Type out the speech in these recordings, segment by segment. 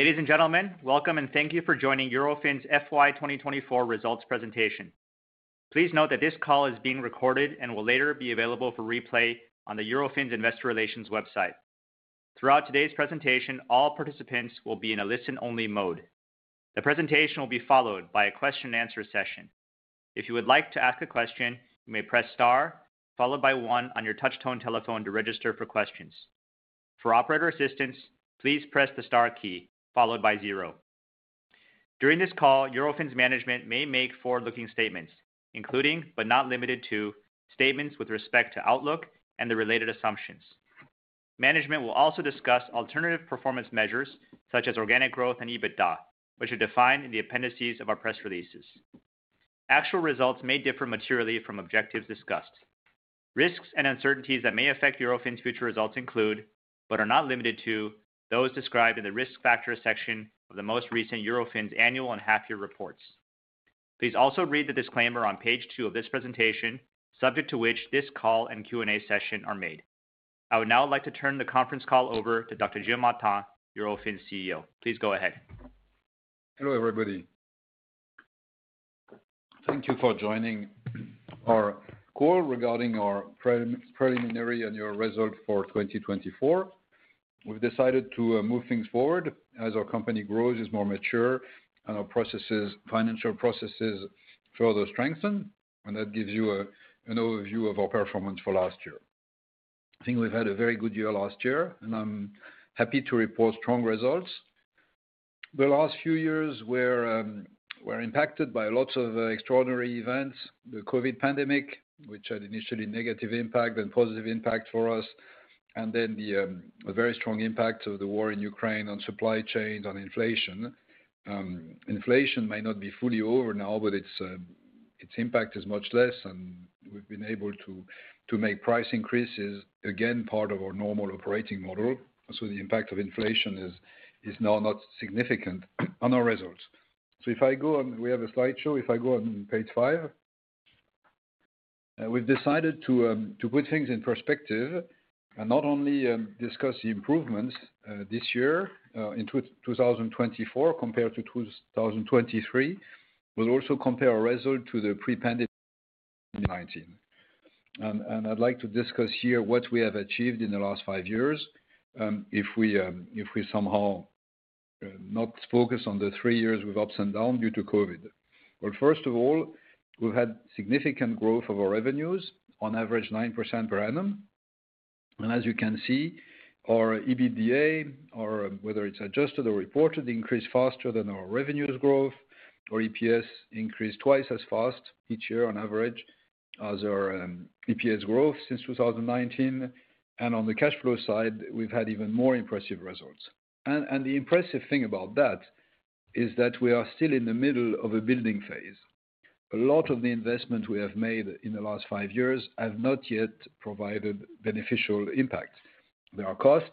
Ladies and gentlemen, welcome and thank you for joining Eurofins FY 2024 results presentation. Please note that this call is being recorded and will later be available for replay on the Eurofins Investor Relations website. Throughout today's presentation, all participants will be in a listen-only mode. The presentation will be followed by a question-and-answer session. If you would like to ask a question, you may press star followed by one on your touch-tone telephone to register for questions. For operator assistance, please press the star key followed by zero. During this call, Eurofins management may make forward-looking statements, including, but not limited to, statements with respect to Outlook and the related assumptions. Management will also discuss alternative performance measures such as organic growth and EBITDA, which are defined in the appendices of our press releases. Actual results may differ materially from objectives discussed. Risks and uncertainties that may affect Eurofins' future results include, but are not limited to, those described in the risk factors section of the most recent Eurofins annual and half-year reports. Please also read the disclaimer on page two of this presentation, subject to which this call and Q&A session are made. I would now like to turn the conference call over to Dr. Gilles Martin, Eurofins CEO. Please go ahead. Hello everybody. Thank you for joining our call regarding our preliminary annual result for 2024. We've decided to move things forward as our company grows, is more mature, and our financial processes further strengthen, and that gives you an overview of our performance for last year. I think we've had a very good year last year, and I'm happy to report strong results. The last few years were impacted by lots of extraordinary events: the COVID pandemic, which had initially negative impact and positive impact for us, and then the very strong impact of the war in Ukraine on supply chains and inflation. Inflation may not be fully over now, but its impact is much less, and we've been able to make price increases again part of our normal operating model, so the impact of inflation is now not significant on our results. So if I go on, we have a slideshow. If I go on page five, we've decided to put things in perspective and not only discuss the improvements this year in 2024 compared to 2023, but also compare our result to the pre-pandemic in 2019. And I'd like to discuss here what we have achieved in the last five years if we somehow not focus on the three years with ups and downs due to COVID. Well, first of all, we've had significant growth of our revenues, on average 9% per annum. And as you can see, our EBITDA, whether it's adjusted or reported, increased faster than our revenues growth. Our EPS increased twice as fast each year on average as our EPS growth since 2019. And on the cash flow side, we've had even more impressive results. The impressive thing about that is that we are still in the middle of a building phase. A lot of the investment we have made in the last five years has not yet provided beneficial impact. There are costs.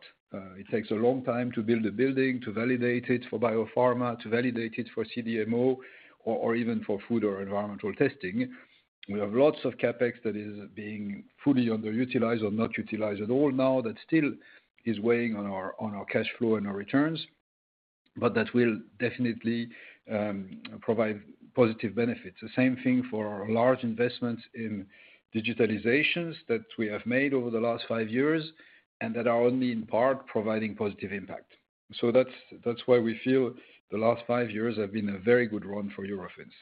It takes a long time to build a building, to validate it for BioPharma, to validate it for CDMO, or even for food or environmental testing. We have lots of CapEx that is being fully underutilized or not utilized at all now that still is weighing on our cash flow and our returns, but that will definitely provide positive benefits. The same thing for large investments in digitalizations that we have made over the last five years and that are only in part providing positive impact. So that's why we feel the last five years have been a very good run for Eurofins.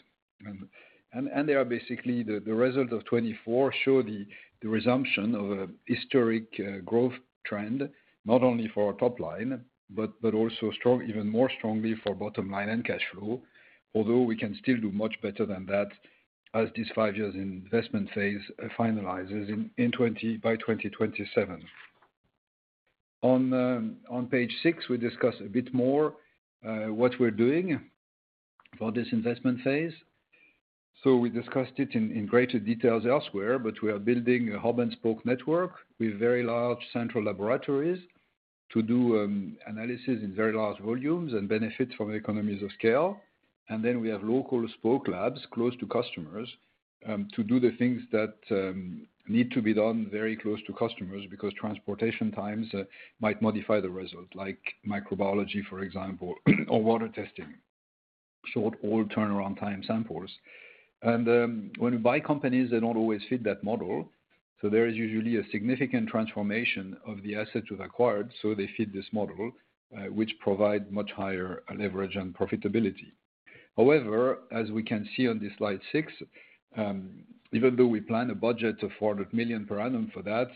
They are basically the result of 2024, show the resumption of a historic growth trend, not only for our top line, but also even more strongly for bottom line and cash flow, although we can still do much better than that as this five-year investment phase finalizes by 2027. On page six, we discuss a bit more what we're doing for this investment phase. We discussed it in greater detail elsewhere, but we are building a hub-and-spoke network with very large central laboratories to do analysis in very large volumes and benefit from economies of scale. We have local spoke labs close to customers to do the things that need to be done very close to customers because transportation times might modify the result, like microbiology, for example, or water testing, short-haul turnaround time samples. When we buy companies, they don't always fit that model. So there is usually a significant transformation of the assets we've acquired so they fit this model, which provides much higher leverage and profitability. However, as we can see on this slide six, even though we plan a budget of 400 million per annum for that,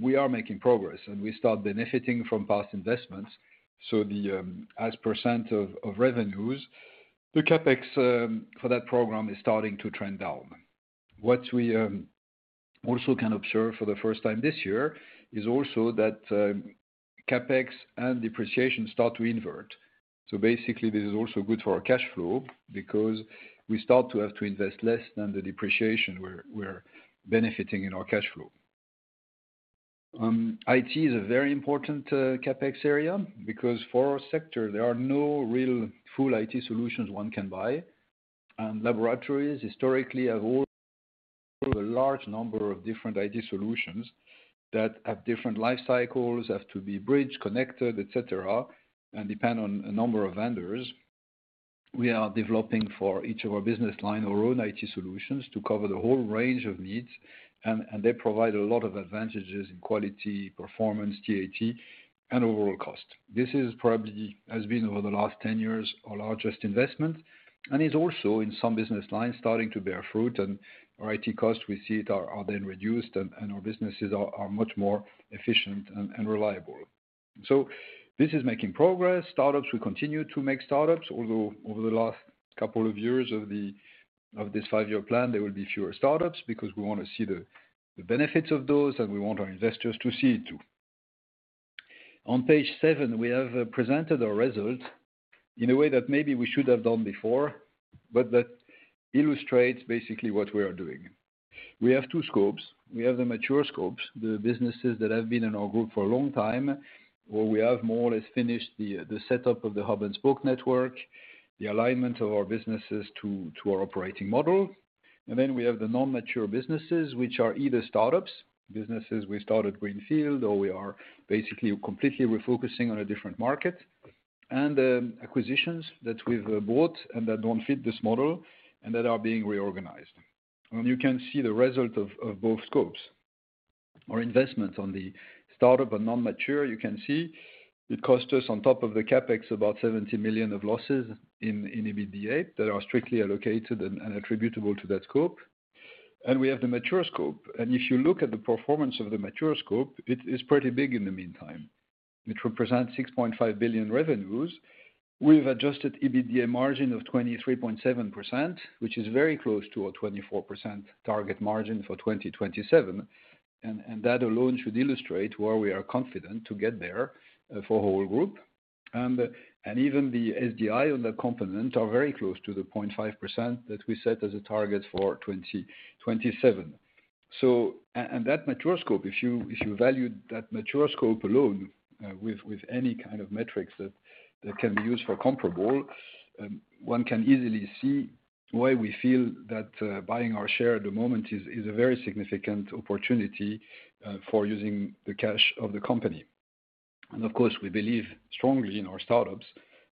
we are making progress and we start benefiting from past investments. As percent of revenues, the CapEx for that program is starting to trend down. What we also can observe for the first time this year is also that CapEx and depreciation start to invert. Basically, this is also good for our cash flow because we start to have to invest less than the depreciation we're benefiting in our cash flow. IT is a very important CapEx area because for our sector, there are no real full IT solutions one can buy, and laboratories historically have a large number of different IT solutions that have different life cycles, have to be bridged, connected, etc., and depend on a number of vendors. We are developing for each of our business lines our own IT solutions to cover the whole range of needs, and they provide a lot of advantages in quality, performance, TAT, and overall cost. This has probably been over the last 10 years our largest investment and is also in some business lines starting to bear fruit, and our IT costs, we see it, are then reduced and our businesses are much more efficient and reliable, so this is making progress. Startups, we continue to make startups, although over the last couple of years of this five-year plan, there will be fewer startups because we want to see the benefits of those and we want our investors to see it too. On page seven, we have presented our result in a way that maybe we should have done before, but that illustrates basically what we are doing. We have two scopes. We have the mature scopes, the businesses that have been in our group for a long time, or we have more or less finished the setup of the hub-and-spoke network, the alignment of our businesses to our operating model. And then we have the non-mature businesses, which are either startups, businesses we started greenfield, or we are basically completely refocusing on a different market, and acquisitions that we've bought and that don't fit this model and that are being reorganized. And you can see the result of both scopes. Our investments on the startup and non-mature, you can see it cost us on top of the CapEx about 70 million of losses in EBITDA that are strictly allocated and attributable to that scope. And we have the mature scope. And if you look at the performance of the mature scope, it is pretty big in the meantime. It represents 6.5 billion revenues. We've adjusted EBITDA margin of 23.7%, which is very close to our 24% target margin for 2027. And that alone should illustrate where we are confident to get there for the whole group. And even the SDI on the component are very close to the 0.5% that we set as a target for 2027. And that mature scope, if you value that mature scope alone with any kind of metrics that can be used for comparable, one can easily see why we feel that buying our share at the moment is a very significant opportunity for using the cash of the company. And of course, we believe strongly in our startups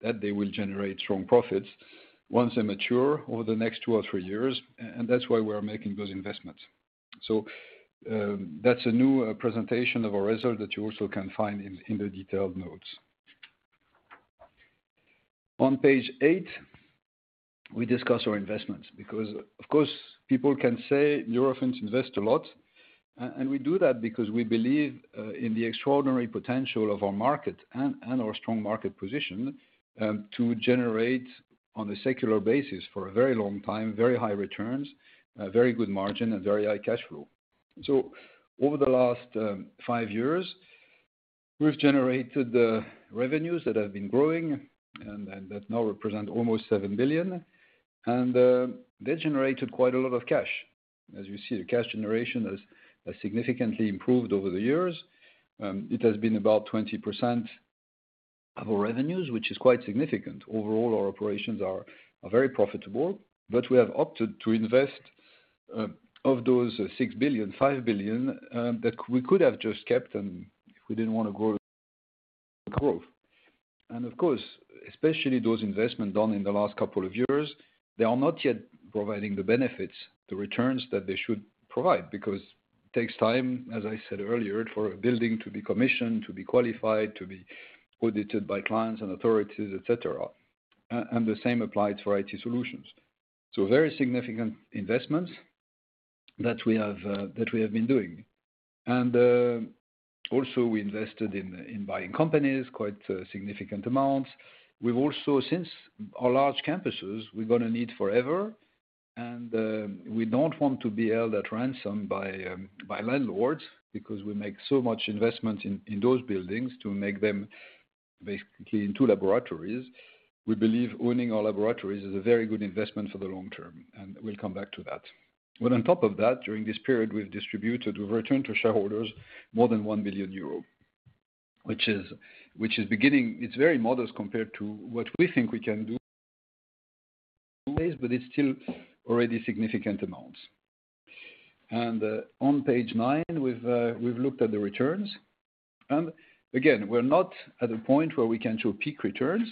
that they will generate strong profits once they mature over the next two or three years, and that's why we are making those investments. So that's a new presentation of our result that you also can find in the detailed notes. On page eight, we discuss our investments because, of course, people can say Eurofins invests a lot, and we do that because we believe in the extraordinary potential of our market and our strong market position to generate on a secular basis for a very long time, very high returns, very good margin, and very high cash flow. So over the last five years, we've generated revenues that have been growing and that now represent almost 7 billion, and they generated quite a lot of cash. As you see, the cash generation has significantly improved over the years. It has been about 20% of our revenues, which is quite significant. Overall, our operations are very profitable, but we have opted to invest of those 6 billion, 5 billion that we could have just kept if we didn't want to grow the growth. Of course, especially those investments done in the last couple of years, they are not yet providing the benefits, the returns that they should provide because it takes time, as I said earlier, for a building to be commissioned, to be qualified, to be audited by clients and authorities, etc. And the same applies for IT solutions. So very significant investments that we have been doing. And also, we invested in buying companies, quite significant amounts. We've also, since our large campuses, we're going to need forever, and we don't want to be held at ransom by landlords because we make so much investment in those buildings to make them basically into laboratories. We believe owning our laboratories is a very good investment for the long term, and we'll come back to that. On top of that, during this period, we've distributed, we've returned to shareholders more than 1 billion euro, which is beginning, it's very modest compared to what we think we can do in some ways, but it's still already significant amounts. On page nine, we've looked at the returns. Again, we're not at a point where we can show peak returns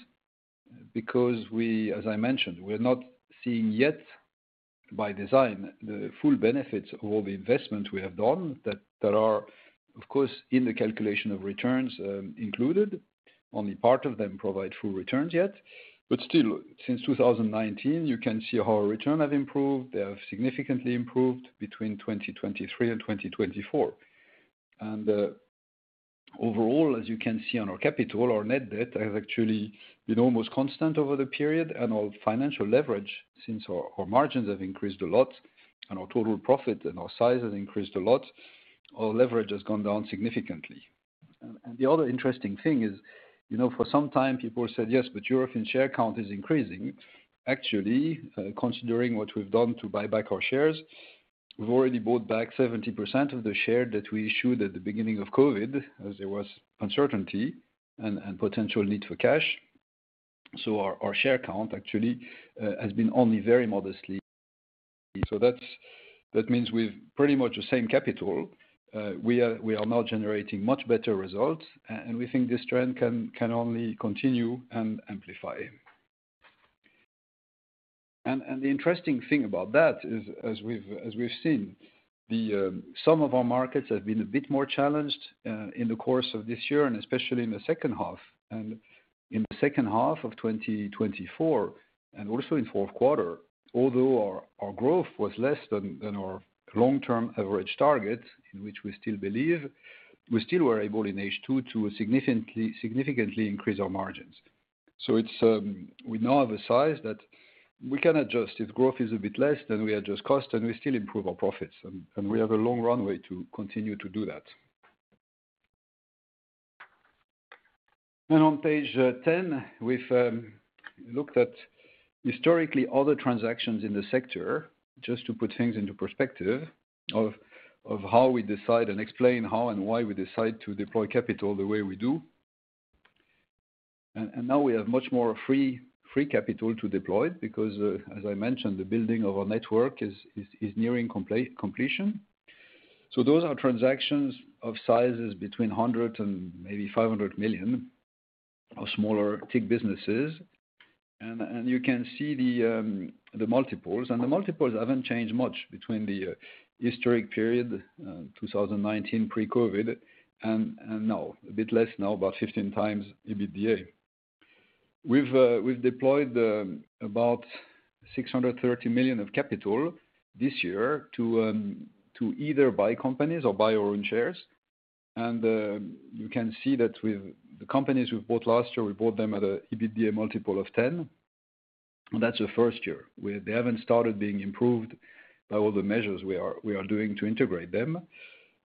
because we, as I mentioned, we're not seeing yet by design the full benefits of all the investments we have done that are, of course, in the calculation of returns included. Only part of them provide full returns yet, but still, since 2019, you can see how our returns have improved. They have significantly improved between 2023 and 2024. Overall, as you can see on our capital, our net debt has actually been almost constant over the period, and our financial leverage, since our margins have increased a lot and our total profit and our size has increased a lot, our leverage has gone down significantly. The other interesting thing is for some time, people said, "Yes, but Eurofins' share count is increasing." Actually, considering what we've done to buy back our shares, we've already bought back 70% of the share that we issued at the beginning of COVID as there was uncertainty and potential need for cash. Our share count actually has been only very modestly. That means we've pretty much the same capital. We are now generating much better results, and we think this trend can only continue and amplify. And the interesting thing about that is, as we've seen, some of our markets have been a bit more challenged in the course of this year, and especially in the second half. And in the second half of 2024 and also in fourth quarter, although our growth was less than our long-term average target, in which we still believe, we still were able in H2 to significantly increase our margins. So we now have a size that we can adjust. If growth is a bit less, then we adjust costs and we still improve our profits. And we have a long runway to continue to do that. And on page 10, we've looked at historically other transactions in the sector, just to put things into perspective of how we decide and explain how and why we decide to deploy capital the way we do. And now we have much more free capital to deploy because, as I mentioned, the building of our network is nearing completion. So those are transactions of sizes between 100 million and maybe 500 million of smaller tech businesses. And you can see the multiples. And the multiples haven't changed much between the historic period, 2019 pre-COVID, and now a bit less now, about 15x EBITDA. We've deployed about 630 million of capital this year to either buy companies or buy our own shares. And you can see that with the companies we've bought last year, we bought them at an EBITDA multiple of 10x. And that's the first year. They haven't started being improved by all the measures we are doing to integrate them.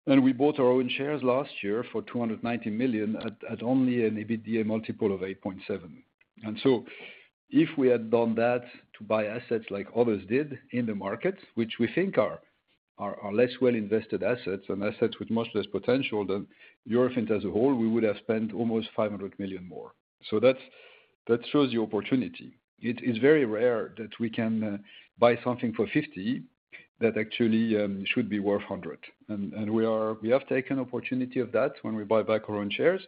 And we bought our own shares last year for 290 million at only an EBITDA multiple of 8.7x. And so if we had done that to buy assets like others did in the market, which we think are less well-invested assets and assets with much less potential than Eurofins as a whole, we would have spent almost 500 million more. So that shows the opportunity. It's very rare that we can buy something for 50 that actually should be worth 100. And we have taken the opportunity of that when we buy back our own shares.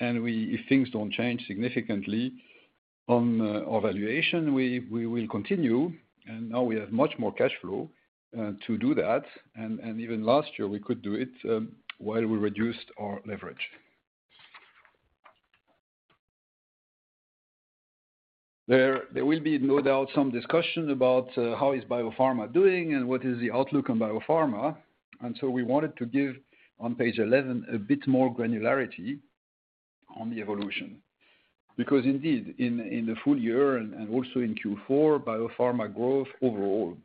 And if things don't change significantly on our valuation, we will continue. And now we have much more cash flow to do that. And even last year, we could do it while we reduced our leverage. There will be no doubt some discussion about how is BioPharma doing and what is the outlook on BioPharma. And so we wanted to give on page 11 a bit more granularity on the evolution because indeed, in the full year and also in Q4, BioPharma growth overall,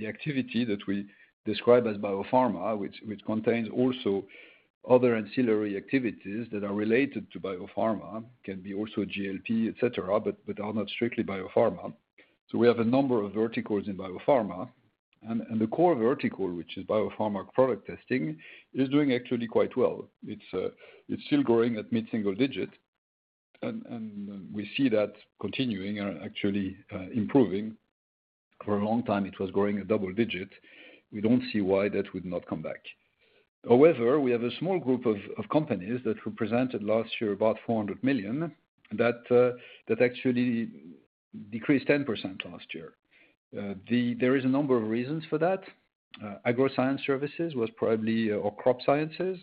the activity that we describe as BioPharma, which contains also other ancillary activities that are related to BioPharma, can be also GLP, etc., but are not strictly BioPharma. So we have a number of verticals in BioPharma. And the core vertical, which is BioPharma Product Testing, is doing actually quite well. It's still growing at mid-single digit. And we see that continuing and actually improving. For a long time, it was growing at double digits. We don't see why that would not come back. However, we have a small group of companies that represented last year about 400 million that actually decreased 10% last year. There is a number of reasons for that. Agroscience Services was probably, or Crop Sciences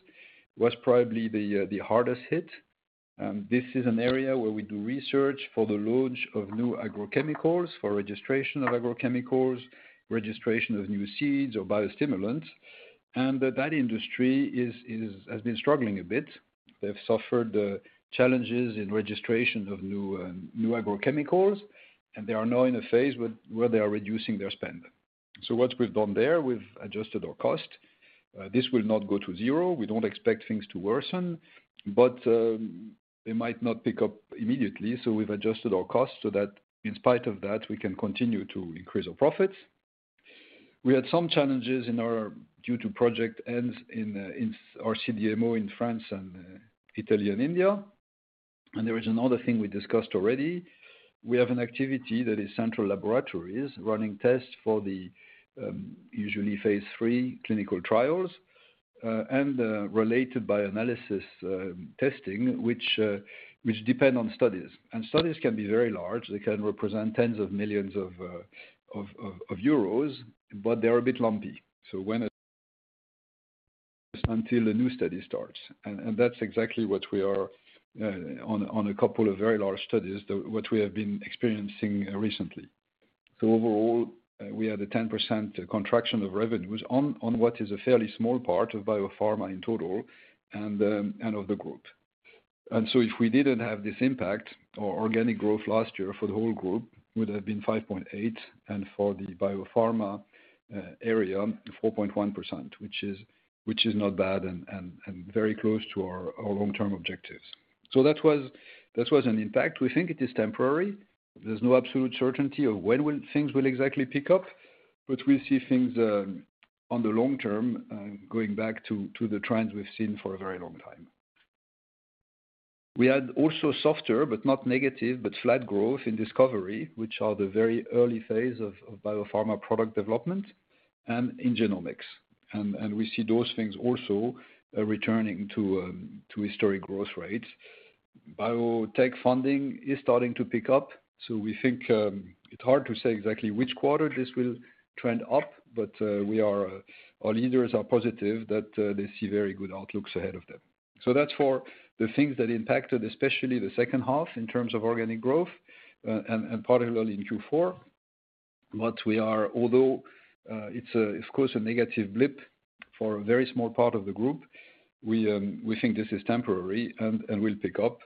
was probably the hardest hit. This is an area where we do research for the launch of new agrochemicals, for registration of agrochemicals, registration of new seeds or biostimulants. And that industry has been struggling a bit. They've suffered challenges in registration of new agrochemicals, and they are now in a phase where they are reducing their spend. So what we've done there, we've adjusted our cost. This will not go to zero. We don't expect things to worsen, but they might not pick up immediately. So we've adjusted our costs so that in spite of that, we can continue to increase our profits. We had some challenges due to project ends in our CDMO in France, Italy, and India. And there is another thing we discussed already. We have an activity that is central laboratories running tests for the usual phase three clinical trials and related bioanalysis testing, which depend on studies. And studies can be very large. They can represent tens of millions of euros, but they are a bit lumpy. So, until a new study starts. And that's exactly what we are on a couple of very large studies, what we have been experiencing recently. So overall, we had a 10% contraction of revenues on what is a fairly small part of BioPharma in total and of the group. And so if we didn't have this impact, our organic growth last year for the whole group would have been 5.8%, and for the BioPharma area, 4.1%, which is not bad and very close to our long-term objectives. So that was an impact. We think it is temporary. There's no absolute certainty of when things will exactly pick up, but we see things on the long term going back to the trends we've seen for a very long time. We had also softer, but not negative, but flat growth in Discovery, which are the very early phase of BioPharma product development and in Genomics, and we see those things also returning to historic growth rates. Biotech funding is starting to pick up, so we think it's hard to say exactly which quarter this will trend up, but our leaders are positive that they see very good outlooks ahead of them, so that's for the things that impacted especially the second half in terms of organic growth and particularly in Q4, but we are, although it's of course a negative blip for a very small part of the group, we think this is temporary and will pick up.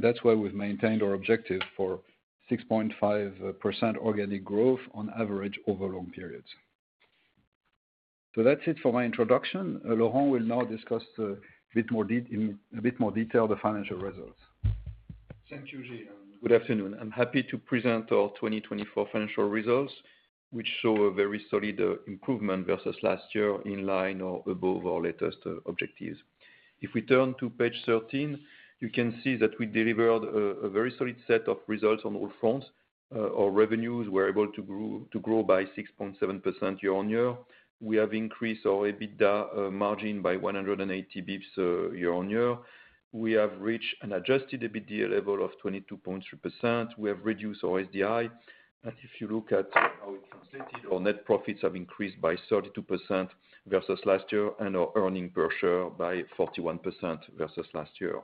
That's why we've maintained our objective for 6.5% organic growth on average over long periods. That's it for my introduction. Laurent will now discuss a bit more detail of the financial results. Thank you, Gilles. Good afternoon. I'm happy to present our 2024 financial results, which show a very solid improvement versus last year in line or above our latest objectives. If we turn to page 13, you can see that we delivered a very solid set of results on all fronts. Our revenues were able to grow by 6.7% year on year. We have increased our EBITDA margin by 180 basis points year on year. We have reached an adjusted EBITDA level of 22.3%. We have reduced our SDI. If you look at how it translated, our net profits have increased by 32% versus last year and our earnings per share by 41% versus last year.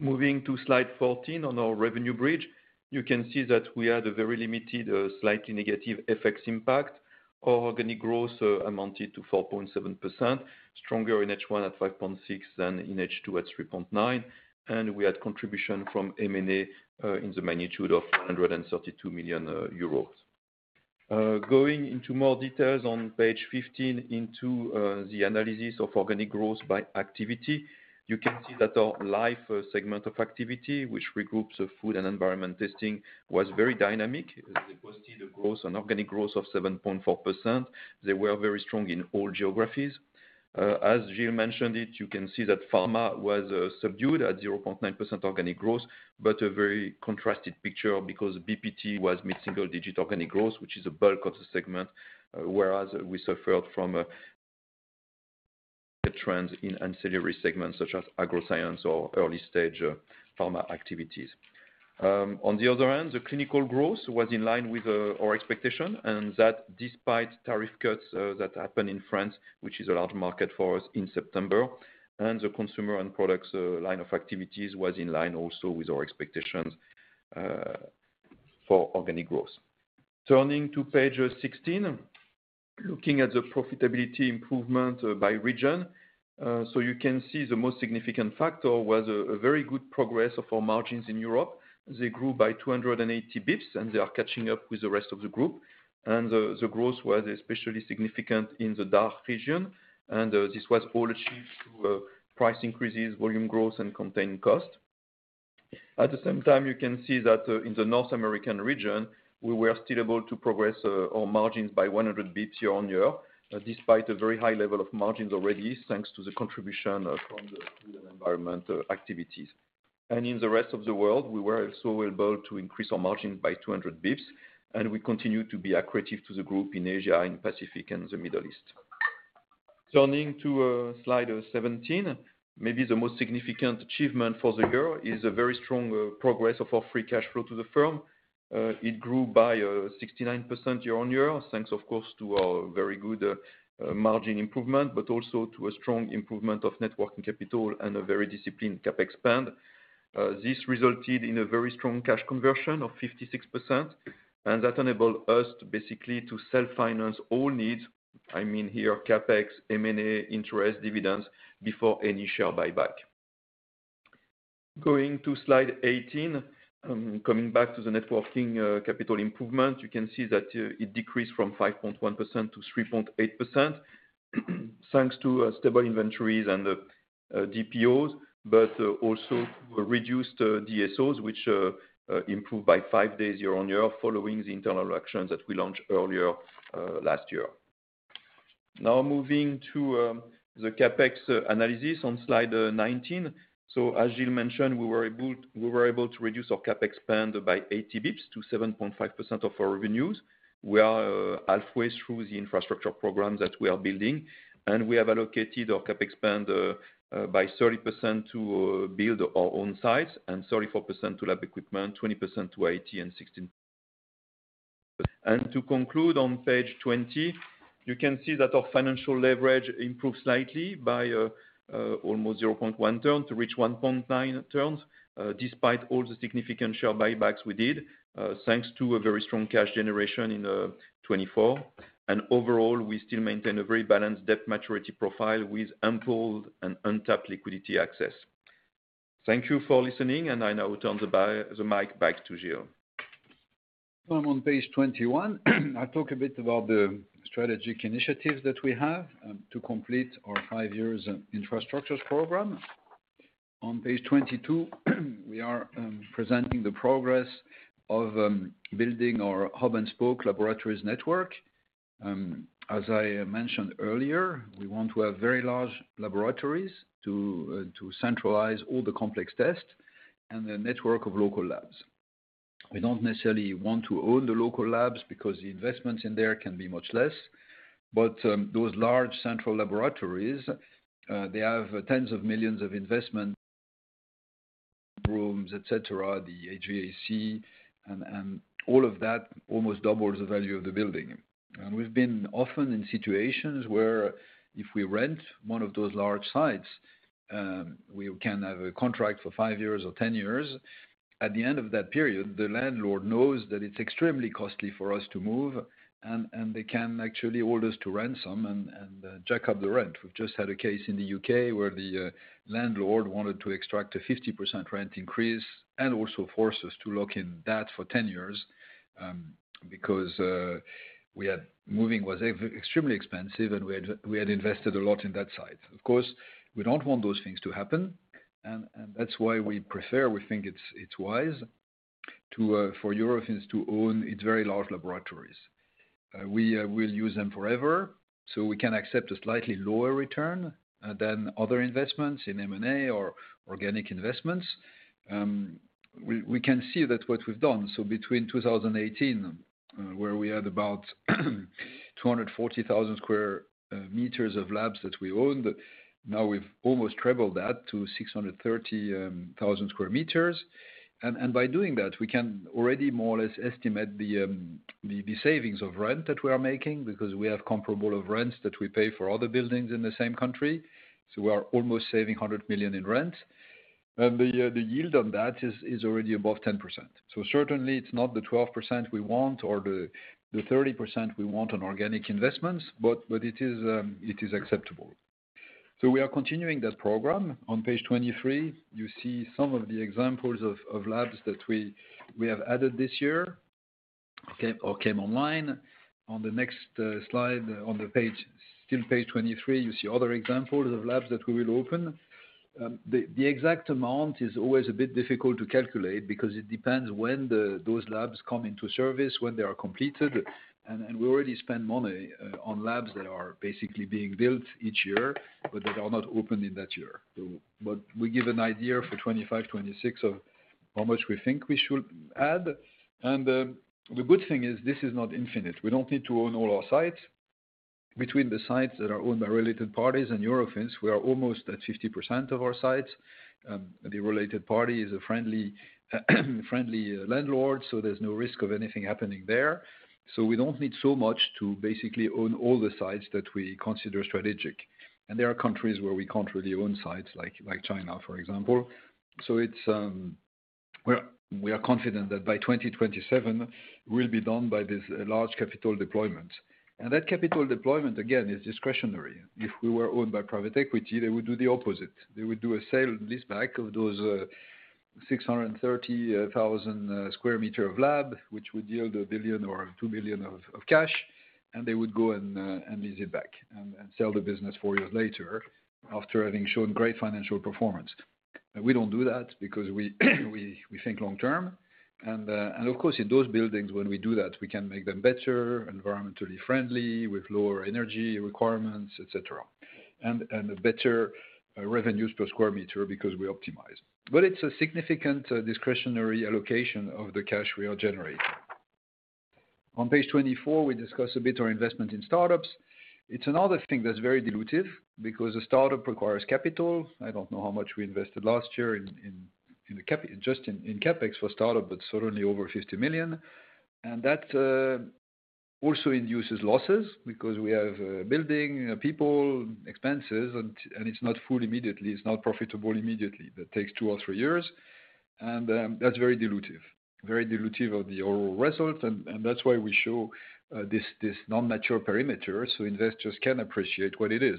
Moving to slide 14 on our revenue bridge, you can see that we had a very limited, slightly negative FX impact. Our organic growth amounted to 4.7%, stronger in H1 at 5.6% than in H2 at 3.9%, and we had contribution from M&A in the magnitude of 132 million euros. Going into more details on page 15 into the analysis of organic growth by activity, you can see that our life segment of activity, which regroups Food and Environment Testing, was very dynamic. They posted a growth on organic growth of 7.4%. They were very strong in all geographies. As Gilles mentioned it, you can see that pharma was subdued at 0.9% organic growth, but a very contrasted picture because BPT was mid-single digit organic growth, which is a bulk of the segment, whereas we suffered from a trend in ancillary segments such as Agroscience or early-stage pharma activities. On the other hand, the clinical growth was in line with our expectation, and that despite tariff cuts that happened in France, which is a large market for us in September, and the Consumer and Products line of activities was in line also with our expectations for organic growth. Turning to page 16, looking at the profitability improvement by region, so you can see the most significant factor was a very good progress of our margins in Europe. They grew by 280 basis points, and they are catching up with the rest of the group, and the growth was especially significant in the DACH region, and this was all achieved through price increases, volume growth, and contained cost. At the same time, you can see that in the North American region, we were still able to progress our margins by 100 basis points year on year, despite a very high level of margins already, thanks to the contribution from the food and environment activities. And in the rest of the world, we were also able to increase our margins by 200 basis points, and we continue to be accretive to the group in Asia, in the Pacific, and the Middle East. Turning to slide 17, maybe the most significant achievement for the year is a very strong progress of our free cash flow to the firm. It grew by 69% year on year, thanks of course to our very good margin improvement, but also to a strong improvement of net working capital and a very disciplined CapEx spend. This resulted in a very strong cash conversion of 56%, and that enabled us to basically self-finance all needs, I mean here CapEx, M&A, interest, dividends before any share buyback. Going to slide 18, coming back to the net working capital improvement, you can see that it decreased from 5.1% to 3.8%, thanks to stable inventories and DPOs, but also reduced DSOs, which improved by five days year on year following the internal actions that we launched earlier last year. Now moving to the CapEx analysis on slide 19. As Gilles mentioned, we were able to reduce our CapEx spend by 80 basis points to 7.5% of our revenues. We are halfway through the infrastructure program that we are building, and we have allocated our CapEx spend by 30% to build our own sites and 34% to lab equipment, 20% to IT, and 16%. To conclude on page 20, you can see that our financial leverage improved slightly by almost 0.1 turn to reach 1.9 turns despite all the significant share buybacks we did, thanks to a very strong cash generation in 2024. Overall, we still maintain a very balanced debt maturity profile with ample and untapped liquidity access. Thank you for listening, and I now turn the mic back to Gilles. I'm on page 21. I'll talk a bit about the strategic initiatives that we have to complete our five-year infrastructure program. On page 22, we are presenting the progress of building our hub-and-spoke laboratories network. As I mentioned earlier, we want to have very large laboratories to centralize all the complex tests and the network of local labs. We don't necessarily want to own the local labs because the investments in there can be much less. But those large central laboratories, they have tens of millions of investments, rooms, etc., the HVAC, and all of that almost doubles the value of the building. And we've been often in situations where if we rent one of those large sites, we can have a contract for five years or 10 years. At the end of that period, the landlord knows that it's extremely costly for us to move, and they can actually hold us to ransom and jack up the rent. We've just had a case in the U.K. where the landlord wanted to extract a 50% rent increase and also force us to lock in that for 10 years because moving was extremely expensive, and we had invested a lot in that site. Of course, we don't want those things to happen, and that's why we prefer. We think it's wise for Eurofins to own its very large laboratories. We will use them forever, so we can accept a slightly lower return than other investments in M&A or organic investments. We can see that what we've done. Between 2018, where we had about 240,000 sq m of labs that we owned, now we've almost tripled that to 630,000 sq m. And by doing that, we can already more or less estimate the savings of rent that we are making because we have comparable rents that we pay for other buildings in the same country. So we are almost saving 100 million in rents. And the yield on that is already above 10%. So certainly, it's not the 12% we want or the 30% we want on organic investments, but it is acceptable. So we are continuing that program. On page 23, you see some of the examples of labs that we have added this year or came online. On the next slide, on the page, still page 23, you see other examples of labs that we will open. The exact amount is always a bit difficult to calculate because it depends when those labs come into service, when they are completed. And we already spend money on labs that are basically being built each year, but that are not opened in that year. But we give an idea for 2025, 2026 of how much we think we should add. And the good thing is this is not infinite. We don't need to own all our sites. Between the sites that are owned by related parties and Europeans, we are almost at 50% of our sites. The related party is a friendly landlord, so there's no risk of anything happening there. So we don't need so much to basically own all the sites that we consider strategic. And there are countries where we can't really own sites, like China, for example. So we are confident that by 2027, we'll be done by this large capital deployment. And that capital deployment, again, is discretionary. If we were owned by private equity, they would do the opposite. They would do a sale and lease back of those 630,000 sq m of lab, which would yield a billion or 2 billion of cash, and they would go and lease it back and sell the business four years later after having shown great financial performance. We don't do that because we think long term. And of course, in those buildings, when we do that, we can make them better, environmentally friendly, with lower energy requirements, etc., and better revenues per square meter because we optimize. But it's a significant discretionary allocation of the cash we are generating. On page 24, we discuss a bit our investment in startups. It's another thing that's very dilutive because a startup requires capital. I don't know how much we invested last year just in CapEx for startup, but certainly over 50 million. And that also induces losses because we have building, people, expenses, and it's not full immediately. It's not profitable immediately. That takes two or three years. And that's very dilutive, very dilutive of the overall result. And that's why we show this non-mature perimeter so investors can appreciate what it is.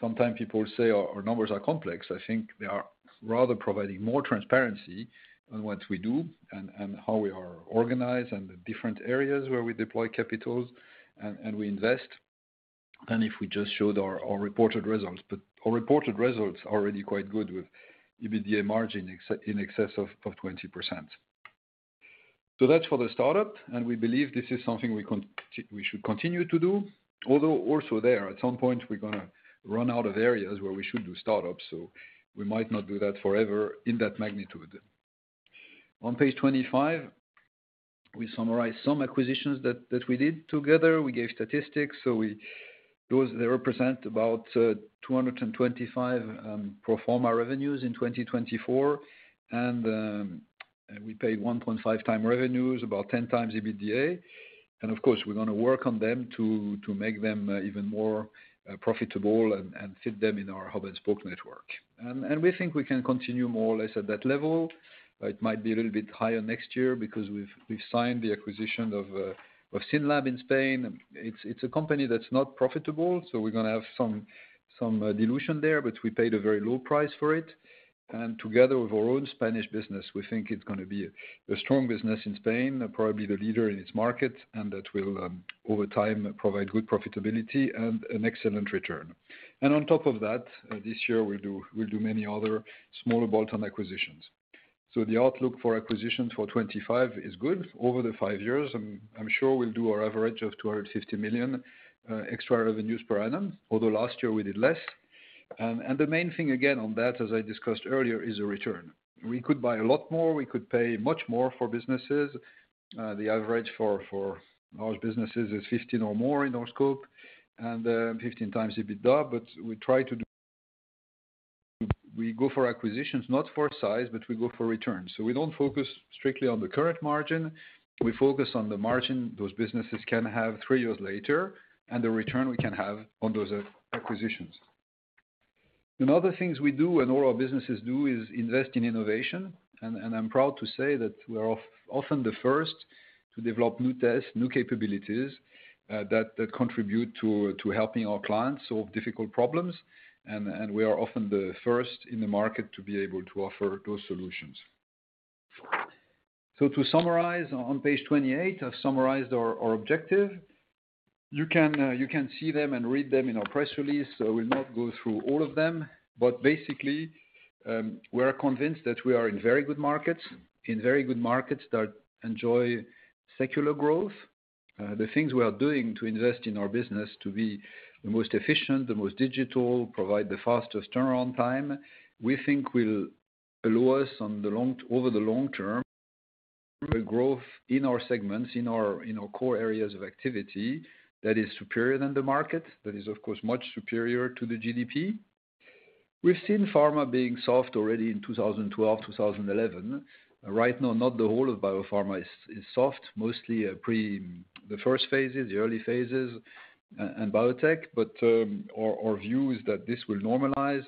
Sometimes people say our numbers are complex. I think they are rather providing more transparency on what we do and how we are organized and the different areas where we deploy capitals and we invest than if we just showed our reported results. But our reported results are already quite good with EBITDA margin in excess of 20%. So that's for the startup. And we believe this is something we should continue to do. Although also there, at some point, we're going to run out of areas where we should do startups. So we might not do that forever in that magnitude. On page 25, we summarize some acquisitions that we did together. We gave statistics. So they represent about 225 pro forma revenues in 2024. And we paid 1.5x revenues, about 10x EBITDA. Of course, we're going to work on them to make them even more profitable and fit them in our hub-and-spoke network. We think we can continue more or less at that level. It might be a little bit higher next year because we've signed the acquisition of SYNLAB in Spain. It's a company that's not profitable, so we're going to have some dilution there, but we paid a very low price for it. Together with our own Spanish business, we think it's going to be a strong business in Spain, probably the leader in its market, and that will, over time, provide good profitability and an excellent return. On top of that, this year, we'll do many other smaller bolt-on acquisitions. The outlook for acquisitions for 2025 is good. Over the five years, I'm sure we'll do our average of 250 million extra revenues per annum, although last year we did less, and the main thing, again, on that, as I discussed earlier, is the return. We could buy a lot more. We could pay much more for businesses. The average for large businesses is 15 or more in our scope, and 15x EBITDA. But we try to do, we go for acquisitions, not for size, but we go for return, so we don't focus strictly on the current margin. We focus on the margin those businesses can have three years later and the return we can have on those acquisitions. Another thing we do and all our businesses do is invest in innovation. And I'm proud to say that we are often the first to develop new tests, new capabilities that contribute to helping our clients solve difficult problems. And we are often the first in the market to be able to offer those solutions. So to summarize, on page 28, I've summarized our objective. You can see them and read them in our press release. I will not go through all of them. But basically, we're convinced that we are in very good markets, in very good markets that enjoy secular growth. The things we are doing to invest in our business to be the most efficient, the most digital, provide the fastest turnaround time, we think will allow us, over the long term, growth in our segments, in our core areas of activity that is superior than the market, that is, of course, much superior to the GDP. We've seen pharma being soft already in 2012, 2011. Right now, not the whole of BioPharma is soft, mostly the first phases, the early phases, and biotech. But our view is that this will normalize.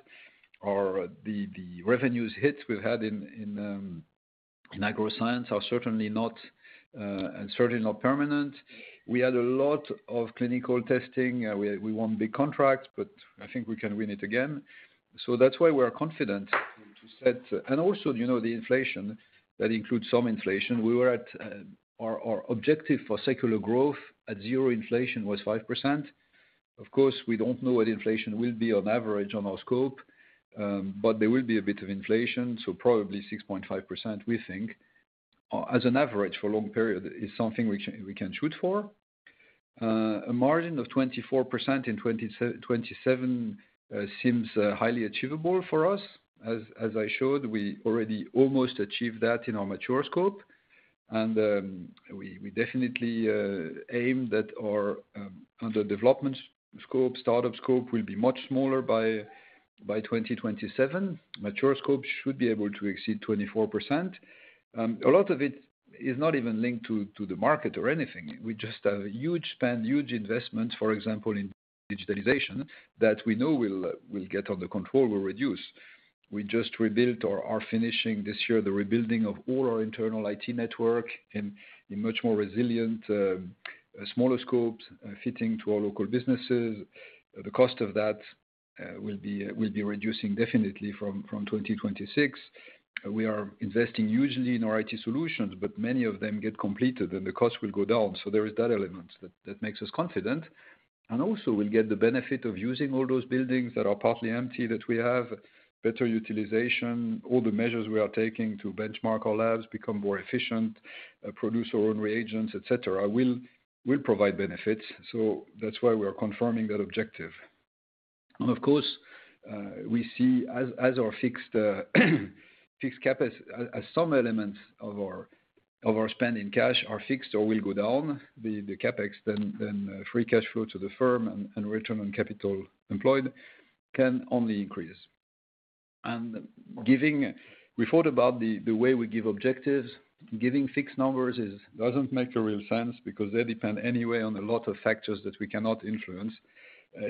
The revenues hit we've had in Agroscience are certainly not and certainly not permanent. We had a lot of clinical testing. We won big contracts, but I think we can win it again. So that's why we are confident to set and also the inflation that includes some inflation. Our objective for secular growth at zero inflation was 5%. Of course, we don't know what inflation will be on average on our scope, but there will be a bit of inflation. So probably 6.5%, we think, as an average for a long period is something we can shoot for. A margin of 24% in 2027 seems highly achievable for us. As I showed, we already almost achieved that in our mature scope. We definitely aim that our under development scope, startup scope, will be much smaller by 2027. Mature scope should be able to exceed 24%. A lot of it is not even linked to the market or anything. We just have huge spend, huge investments, for example, in digitalization that we know we'll get under control, we'll reduce. We are just finishing this year the rebuilding of all our internal IT network in much more resilient, smaller scopes, fitting to our local businesses. The cost of that will be reducing definitely from 2026. We are investing hugely in our IT solutions, but many of them get completed, and the cost will go down. There is that element that makes us confident. And also, we'll get the benefit of using all those buildings that are partly empty that we have, better utilization, all the measures we are taking to benchmark our labs, become more efficient, produce our own reagents, etc., will provide benefits. So that's why we are confirming that objective. And of course, we see as our fixed CapEx, as some elements of our spend in cash are fixed or will go down, the CapEx, then free cash flow to the firm and return on capital employed can only increase. And we thought about the way we give objectives. Giving fixed numbers doesn't make a real sense because they depend anyway on a lot of factors that we cannot influence,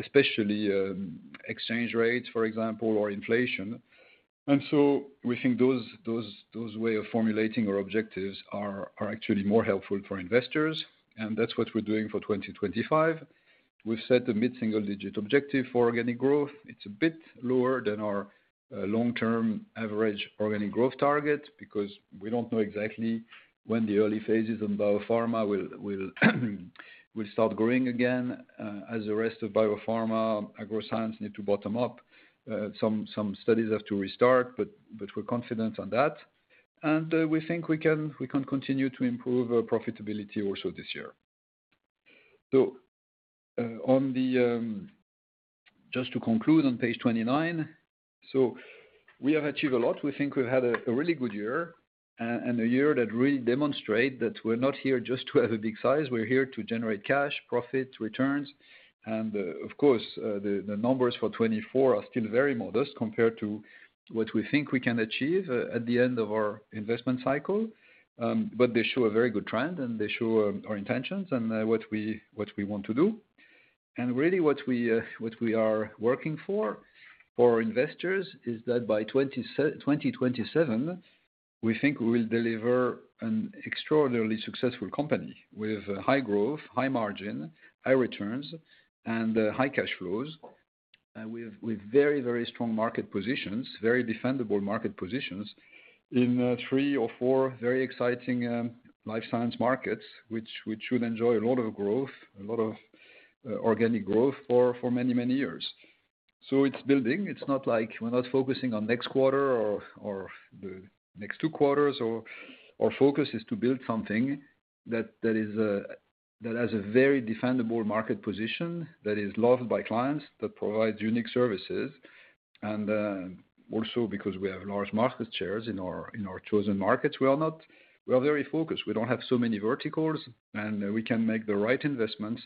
especially exchange rates, for example, or inflation. And so we think those ways of formulating our objectives are actually more helpful for investors. And that's what we're doing for 2025. We've set a mid-single-digit objective for organic growth. It's a bit lower than our long-term average organic growth target because we don't know exactly when the early phases of BioPharma will start growing again. As the rest of BioPharma, Agroscience need to bottom out. Some studies have to restart, but we're confident on that. And we think we can continue to improve profitability also this year. So just to conclude on page 29, so we have achieved a lot. We think we've had a really good year and a year that really demonstrates that we're not here just to have a big size. We're here to generate cash, profit, returns. And of course, the numbers for 2024 are still very modest compared to what we think we can achieve at the end of our investment cycle. But they show a very good trend, and they show our intentions and what we want to do, and really, what we are working for, for investors, is that by 2027, we think we will deliver an extraordinarily successful company with high growth, high margin, high returns, and high cash flows, with very, very strong market positions, very defendable market positions in three or four very exciting life science markets, which should enjoy a lot of growth, a lot of organic growth for many, many years, so it's building. It's not like we're not focusing on next quarter or the next two quarters. Our focus is to build something that has a very defendable market position that is loved by clients, that provides unique services, and also because we have large market shares in our chosen markets, we are very focused. We don't have so many verticals, and we can make the right investments,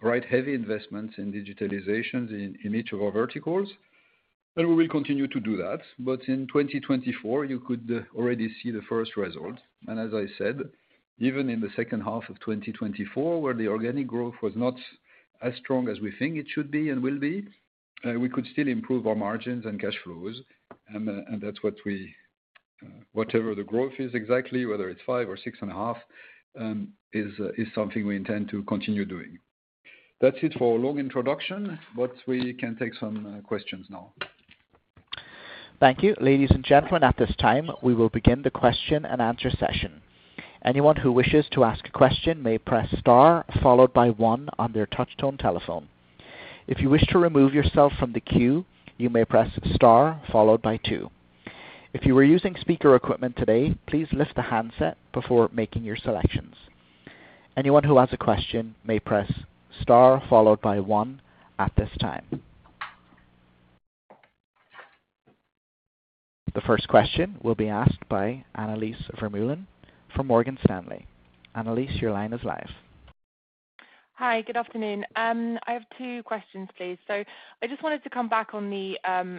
right heavy investments in digitalizations in each of our verticals. And we will continue to do that. But in 2024, you could already see the first result. And as I said, even in the second half of 2024, where the organic growth was not as strong as we think it should be and will be, we could still improve our margins and cash flows. And that's what we whatever the growth is exactly, whether it's five or six and a half, is something we intend to continue doing. That's it for our long introduction, but we can take some questions now. Thank you. Ladies and gentlemen, at this time, we will begin the question and answer session. Anyone who wishes to ask a question may press star followed by one on their touch-tone telephone. If you wish to remove yourself from the queue, you may press star followed by two. If you are using speaker equipment today, please lift the handset before making your selections. Anyone who has a question may press star followed by one at this time. The first question will be asked by Annelies Vermeulen from Morgan Stanley. Annelise, your line is live. Hi, good afternoon. I have two questions, please. So I just wanted to come back on the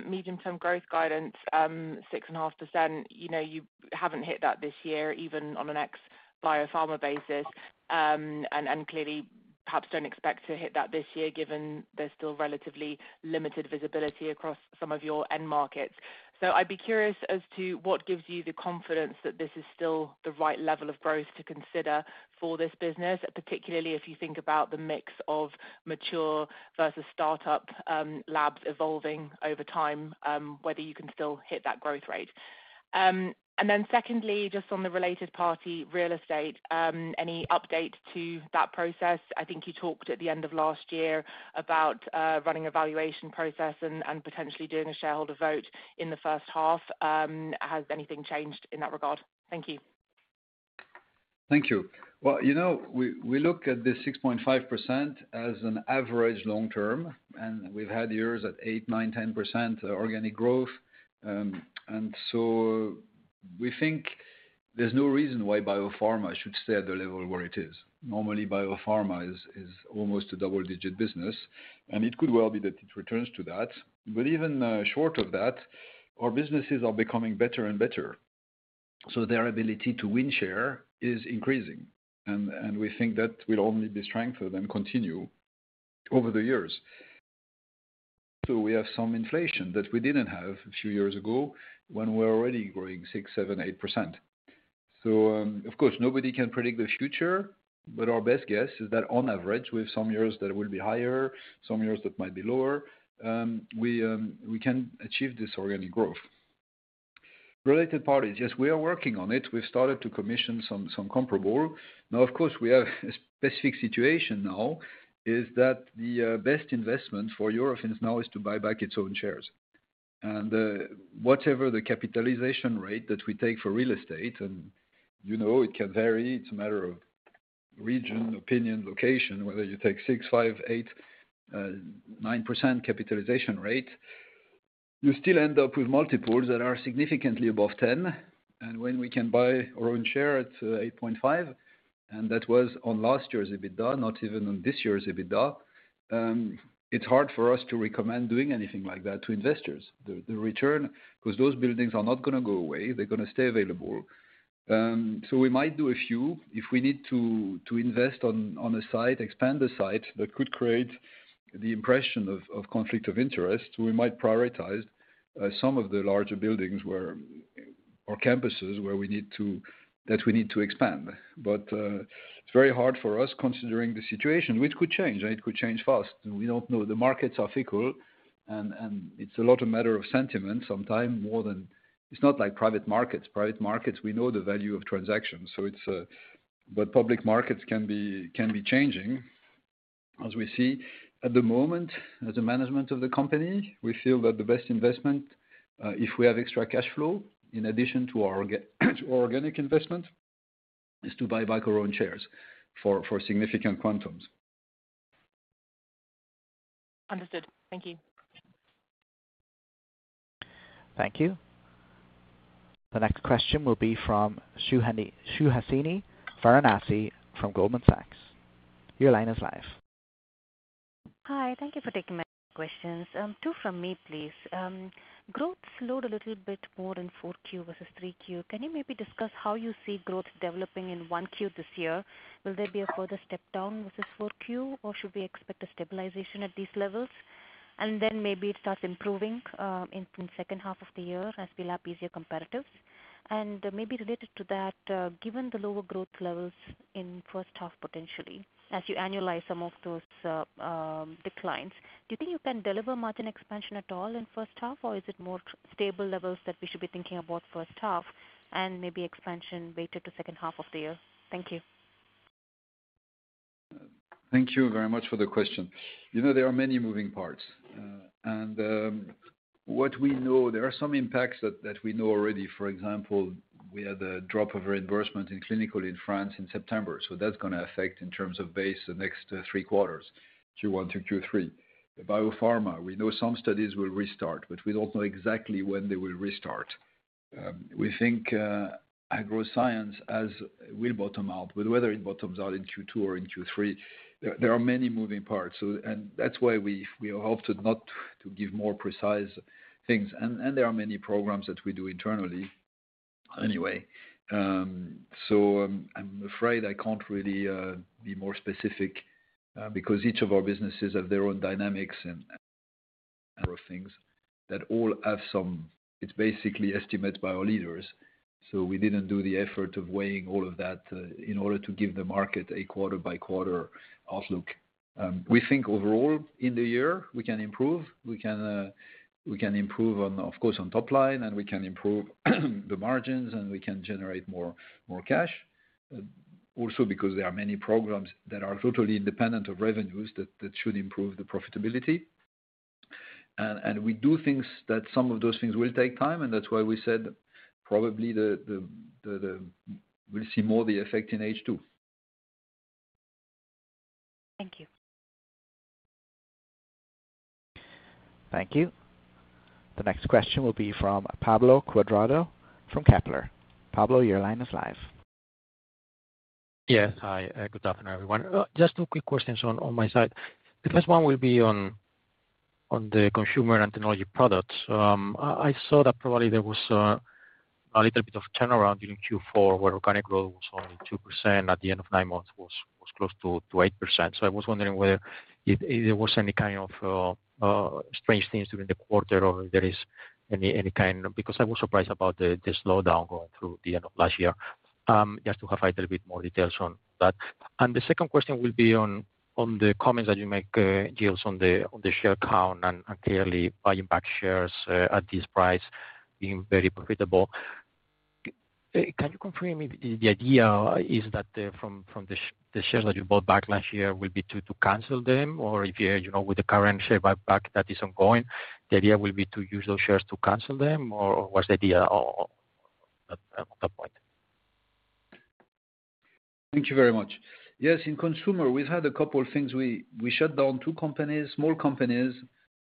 medium-term growth guidance, 6.5%. You haven't hit that this year, even on an ex-BioPharma basis, and clearly, perhaps don't expect to hit that this year, given there's still relatively limited visibility across some of your end markets. So I'd be curious as to what gives you the confidence that this is still the right level of growth to consider for this business, particularly if you think about the mix of mature versus startup labs evolving over time, whether you can still hit that growth rate. And then secondly, just on the related party, real estate, any update to that process? I think you talked at the end of last year about running a valuation process and potentially doing a shareholder vote in the first half. Has anything changed in that regard? Thank you. Thank you. Well, we look at the 6.5% as an average long term, and we've had years at 8%, 9%, 10% organic growth. And so we think there's no reason why BioPharma should stay at the level where it is. Normally, BioPharma is almost a double-digit business, and it could well be that it returns to that, but even short of that, our businesses are becoming better and better, so their ability to win share is increasing, and we think that will only be strengthened and continue over the years, so we have some inflation that we didn't have a few years ago when we were already growing 6%, 7%, 8%, so of course, nobody can predict the future, but our best guess is that on average, we have some years that will be higher, some years that might be lower. We can achieve this organic growth. Related parties, yes, we are working on it. We've started to commission some comparables. Now, of course, we have a specific situation now is that the best investment for Eurofins now is to buy back its own shares. Whatever the capitalization rate that we take for real estate, and it can vary. It's a matter of region, opinion, location, whether you take 6%, 5%, 8%, 9% capitalization rate, you still end up with multiples that are significantly above 10x. When we can buy our own share at 8.5, and that was on last year's EBITDA, not even on this year's EBITDA, it's hard for us to recommend doing anything like that to investors, the return, because those buildings are not going to go away. They're going to stay available. We might do a few. If we need to invest on a site, expand the site that could create the impression of conflict of interest, we might prioritize some of the larger buildings or campuses that we need to expand. But it's very hard for us considering the situation, which could change, and it could change fast. We don't know. The markets are fickle, and it's a lot a matter of sentiment sometimes more than it's not like private markets. Private markets, we know the value of transactions. But public markets can be changing. As we see at the moment as a management of the company, we feel that the best investment, if we have extra cash flow in addition to our organic investment, is to buy back our own shares for significant quantities. Understood. Thank you. Thank you. The next question will be from Suhasini Varanasi from Goldman Sachs. Your line is live. Hi. Thank you for taking my questions. Two from me, please. Growth slowed a little bit more in 4Q versus 3Q. Can you maybe discuss how you see growth developing in 1Q this year? Will there be a further step down versus 4Q, or should we expect a stabilization at these levels? And then maybe it starts improving in the second half of the year as we lap easier competitors. And maybe related to that, given the lower growth levels in first half potentially, as you annualize some of those declines, do you think you can deliver margin expansion at all in first half, or is it more stable levels that we should be thinking about first half and maybe expansion later to second half of the year? Thank you. Thank you very much for the question. There are many moving parts. And what we know, there are some impacts that we know already. For example, we had a drop of reimbursement in clinical in France in September. So that's going to affect in terms of base the next three quarters, Q1 to Q3. BioPharma, we know some studies will restart, but we don't know exactly when they will restart. We think Agroscience will bottom out, but whether it bottoms out in Q2 or in Q3, there are many moving parts, and that's why we hope to not give more precise things, and there are many programs that we do internally anyway, so I'm afraid I can't really be more specific because each of our businesses have their own dynamics and things that all have some. It's basically estimates by our leaders, so we didn't do the effort of weighing all of that in order to give the market a quarter-by-quarter outlook. We think overall in the year, we can improve. We can improve, of course, on top line, and we can improve the margins, and we can generate more cash. Also because there are many programs that are totally independent of revenues that should improve the profitability. And we do think that some of those things will take time, and that's why we said probably we'll see more of the effect in H2. Thank you. Thank you. The next question will be from Pablo Cuadrado from Kepler. Pablo, your line is live. Yes. Hi. Good afternoon, everyone. Just two quick questions on my side. The first one will be on the consumer and technology products. I saw that probably there was a little bit of turnaround during Q4, where organic growth was only 2%. At the end of nine months, it was close to 8%. So I was wondering whether there was any kind of strange things during the quarter or if there is any kind because I was surprised about the slowdown going through the end of last year. Just to have a little bit more details on that. And the second question will be on the comments that you make, Gilles, on the share count and clearly buying back shares at this price being very profitable. Can you confirm the idea is that from the shares that you bought back last year will be to cancel them, or if you're with the current share buyback that is ongoing, the idea will be to use those shares to cancel them, or what's the idea? Thank you very much. Yes. In consumer, we've had a couple of things. We shut down two companies, small companies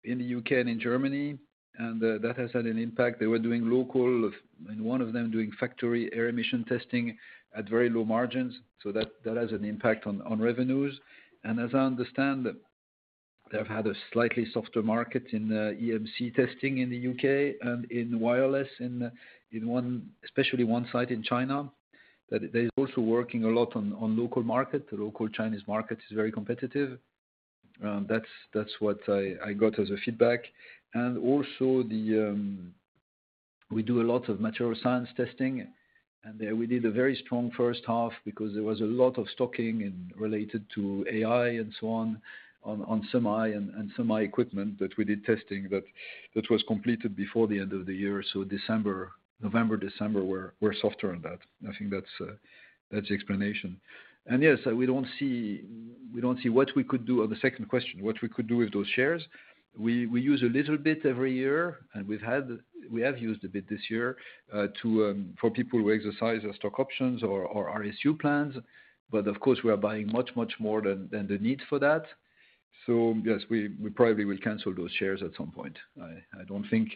in the U.K. and in Germany, and that has had an impact. They were doing local, and one of them doing factory air emission testing at very low margins. So that has an impact on revenues. As I understand, they've had a slightly softer market in EMC testing in the U.K. and in wireless, especially one site in China. They're also working a lot on local market. The local Chinese market is very competitive. That's what I got as a feedback. And also, we do a lot of material science testing, and we did a very strong first half because there was a lot of stocking related to AI and so on on semi and semi equipment that we did testing that was completed before the end of the year. So November, December were softer on that. I think that's the explanation. And yes, we don't see what we could do on the second question, what we could do with those shares. We use a little bit every year, and we have used a bit this year for people who exercise stock options or RSU plans. But of course, we are buying much, much more than the need for that. So yes, we probably will cancel those shares at some point. I don't think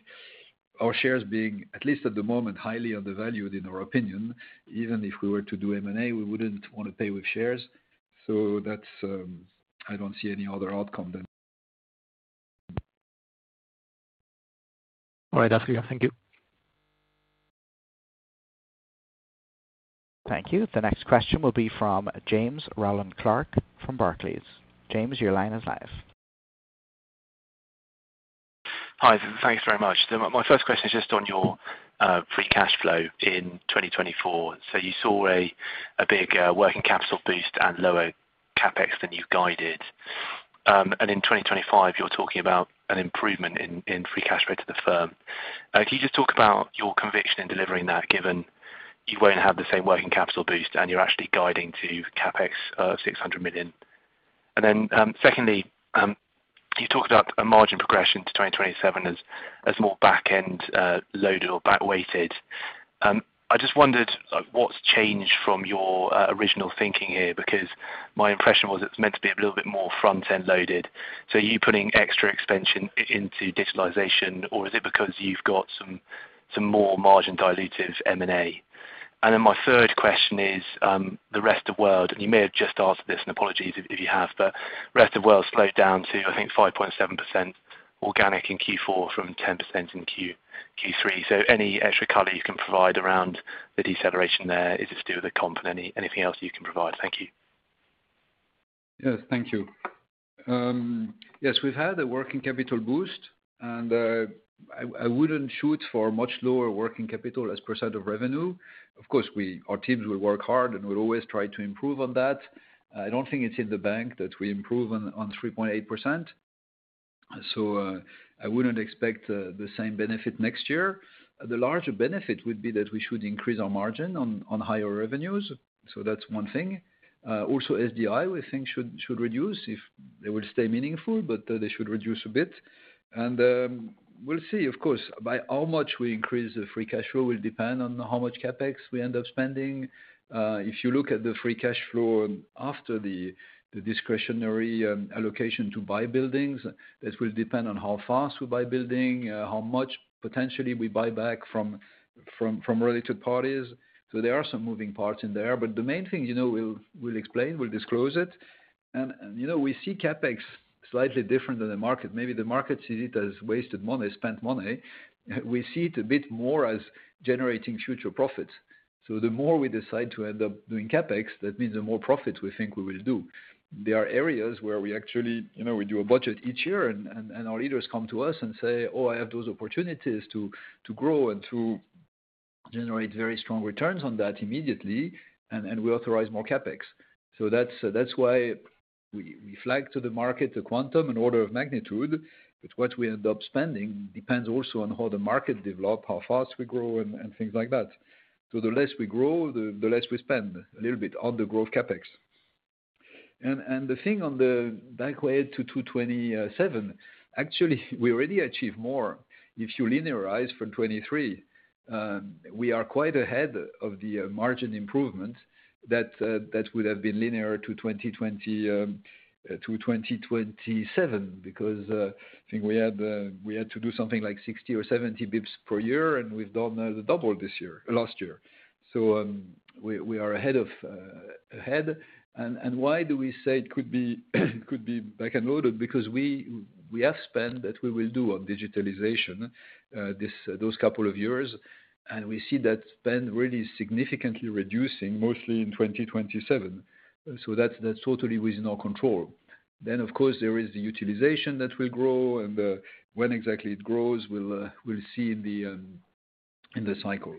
our shares being, at least at the moment, highly undervalued in our opinion. Even if we were to do M&A, we wouldn't want to pay with shares. So I don't see any other outcome than. All right. That's clear. Thank you. Thank you. The next question will be from James Rowland Clark from Barclays. James, your line is live. Hi. Thanks very much. My first question is just on your free cash flow in 2024. So you saw a big working capital boost and lower CapEx than you guided. In 2025, you're talking about an improvement in free cash flow to the firm. Can you just talk about your conviction in delivering that, given you won't have the same working capital boost and you're actually guiding to CapEx of 600 million? And then secondly, you talked about a margin progression to 2027 as more back-end loaded or back-weighted. I just wondered what's changed from your original thinking here because my impression was it's meant to be a little bit more front-end loaded. So are you putting extra expansion into digitalization, or is it because you've got some more margin dilutive M&A? And then my third question is the rest of the world, and you may have just answered this, and apologies if you have, but the rest of the world slowed down to, I think, 5.7% organic in Q4 from 10% in Q3. So any extra color you can provide around the deceleration there? Is it still the comp? Anything else you can provide? Thank you. Yes. Thank you. Yes. We've had a working capital boost, and I wouldn't shoot for much lower working capital as percent of revenue. Of course, our teams will work hard and will always try to improve on that. I don't think it's in the bank that we improve on 3.8%. So I wouldn't expect the same benefit next year. The larger benefit would be that we should increase our margin on higher revenues. So that's one thing. Also, SDI, we think, should reduce if they will stay meaningful, but they should reduce a bit. And we'll see, of course. By how much we increase the free cash flow will depend on how much CapEx we end up spending. If you look at the free cash flow after the discretionary allocation to buy buildings, that will depend on how fast we buy buildings, how much potentially we buy back from related parties, so there are some moving parts in there, but the main thing we'll explain, we'll disclose it, and we see CapEx slightly different than the market. Maybe the market sees it as wasted money, spent money. We see it a bit more as generating future profits, so the more we decide to end up doing CapEx, that means the more profits we think we will do. There are areas where we actually do a budget each year, and our leaders come to us and say, "Oh, I have those opportunities to grow and to generate very strong returns on that immediately," and we authorize more CapEx. That's why we flag to the market the quantum in order of magnitude. But what we end up spending depends also on how the market develops, how fast we grow, and things like that. The less we grow, the less we spend a little bit on the growth CapEx. The thing on the back-end to 2027, actually, we already achieved more. If you linearize from 2023, we are quite ahead of the margin improvement that would have been linear to 2027 because I think we had to do something like 60 basis points or 70 basis points per year, and we've done the double last year. We are ahead of ahead. Why do we say it could be back-end loaded? Because the spend that we will do on digitalization those couple of years, and we see that spend really significantly reducing, mostly in 2027. So that's totally within our control. Then, of course, there is the utilization that will grow, and when exactly it grows, we'll see in the cycle.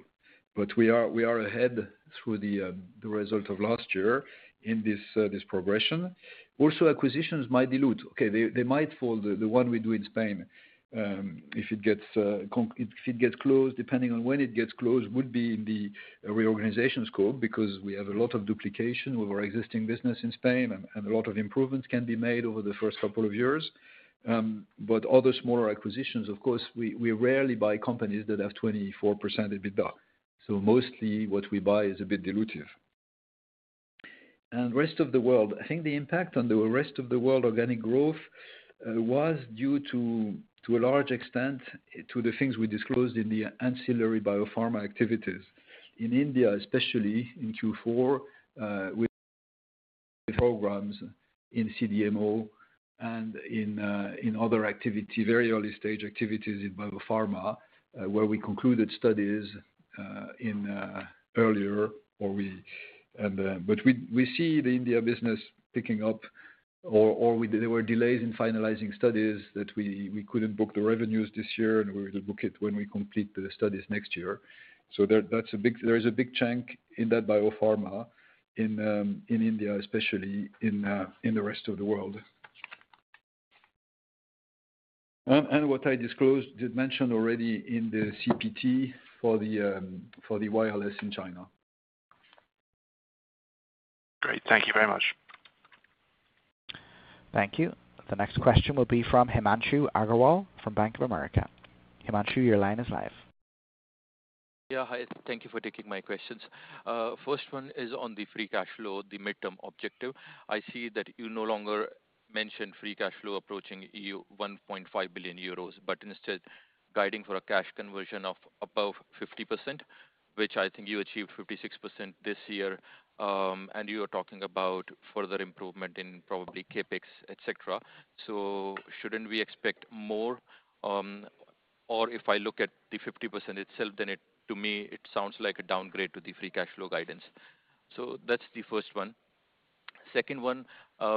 But we are ahead through the result of last year in this progression. Also, acquisitions might dilute. Okay. They might fall. The one we do in Spain, if it gets closed, depending on when it gets closed, would be in the reorganization scope because we have a lot of duplication of our existing business in Spain, and a lot of improvements can be made over the first couple of years. But other smaller acquisitions, of course, we rarely buy companies that have 24% EBITDA. So mostly what we buy is a bit dilutive. And rest of the world, I think the impact on the rest of the world organic growth was due to a large extent to the things we disclosed in the ancillary BioPharma activities. In India, especially in Q4, we have programs in CDMO and in other activity, very early-stage activities in BioPharma where we concluded studies earlier. But we see the India business picking up, or there were delays in finalizing studies that we couldn't book the revenues this year, and we will book it when we complete the studies next year. So there is a big chunk in that BioPharma in India, especially in the rest of the world. And what I disclosed did mention already in the CPT for the wireless in China. Great. Thank you very much. Thank you. The next question will be from Himanshu Agarwal from Bank of America. Himanshu, your line is live. Yeah. Hi. Thank you for taking my questions. First one is on the free cash flow, the midterm objective. I see that you no longer mentioned free cash flow approaching 1.5 billion euros, but instead guiding for a cash conversion of above 50%, which I think you achieved 56% this year. And you are talking about further improvement in probably CapEx, etc. So shouldn't we expect more? Or if I look at the 50% itself, then to me, it sounds like a downgrade to the free cash flow guidance. So that's the first one. Second one,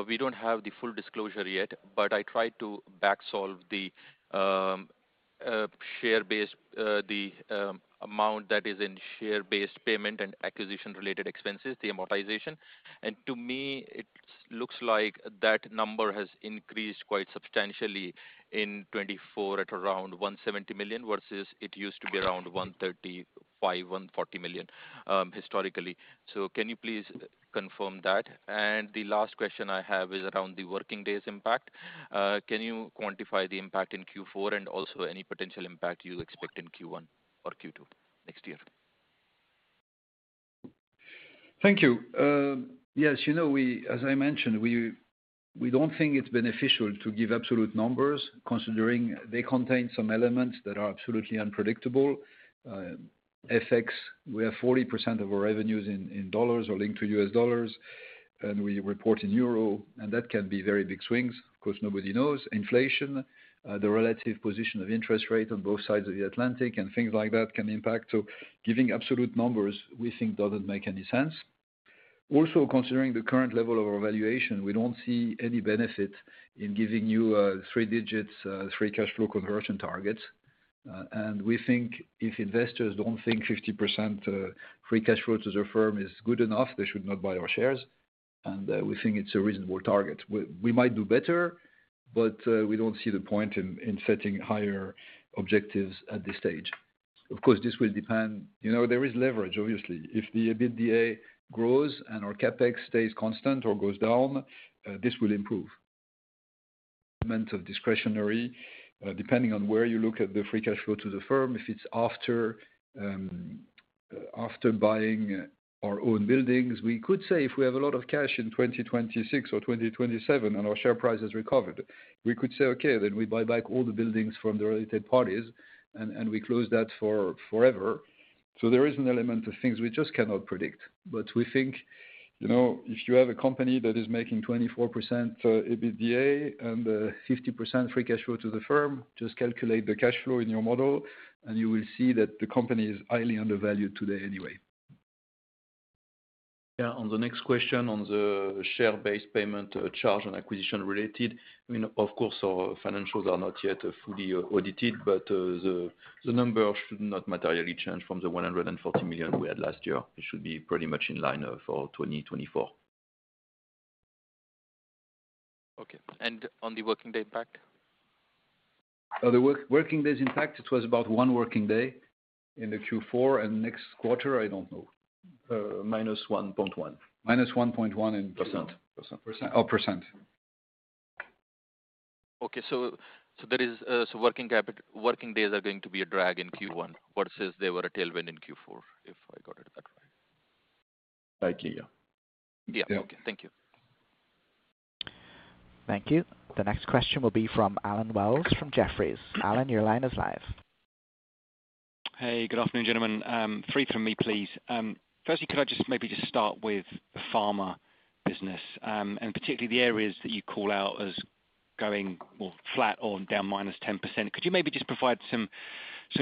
we don't have the full disclosure yet, but I tried to backsolve the share-based, the amount that is in share-based payment and acquisition-related expenses, the amortization. And to me, it looks like that number has increased quite substantially in 2024 at around 170 million versus it used to be around 135 million-140 million historically. So can you please confirm that? And the last question I have is around the working days impact. Can you quantify the impact in Q4 and also any potential impact you expect in Q1 or Q2 next year? Thank you. Yes. As I mentioned, we don't think it's beneficial to give absolute numbers considering they contain some elements that are absolutely unpredictable. FX, we have 40% of our revenues in dollars or linked to U.S. dollars, and we report in euro, and that can be very big swings. Of course, nobody knows. Inflation, the relative position of interest rate on both sides of the Atlantic and things like that can impact. So giving absolute numbers, we think, doesn't make any sense. Also, considering the current level of our valuation, we don't see any benefit in giving you three digits free cash flow conversion targets. And we think if investors don't think 50% free cash flow to the firm is good enough, they should not buy our shares. And we think it's a reasonable target. We might do better, but we don't see the point in setting higher objectives at this stage. Of course, this will depend. There is leverage, obviously. If the EBITDA grows and our CapEx stays constant or goes down, this will improve. Element of discretionary, depending on where you look at the free cash flow to the firm, if it's after buying our own buildings, we could say if we have a lot of cash in 2026 or 2027 and our share price has recovered, we could say, "Okay, then we buy back all the buildings from the related parties," and we close that forever. So there is an element of things we just cannot predict. But we think if you have a company that is making 24% EBITDA and 50% free cash flow to the firm, just calculate the cash flow in your model, and you will see that the company is highly undervalued today anyway. Yeah. On the next question on the share-based payment charge on acquisition-related, of course, our financials are not yet fully audited, but the number should not materially change from the 140 million we had last year. It should be pretty much in line for 2024. Okay. And on the working day impact? The working day's impact, it was about one working day in the Q4, and next quarter, I don't know, -1.1%. -1.1% in percent. Percent. Oh, percent. Okay. So working days are going to be a drag in Q1 versus they were a tailwind in Q4, if I got it that right. Likely, yeah. Yeah. Okay. Thank you. Thank you. The next question will be from Allen Wells from Jefferies. Allen, your line is live. Hey. Good afternoon, gentlemen. Three from me, please. Firstly, could I just maybe just start with the pharma business and particularly the areas that you call out as going more flat or down -10%? Could you maybe just provide some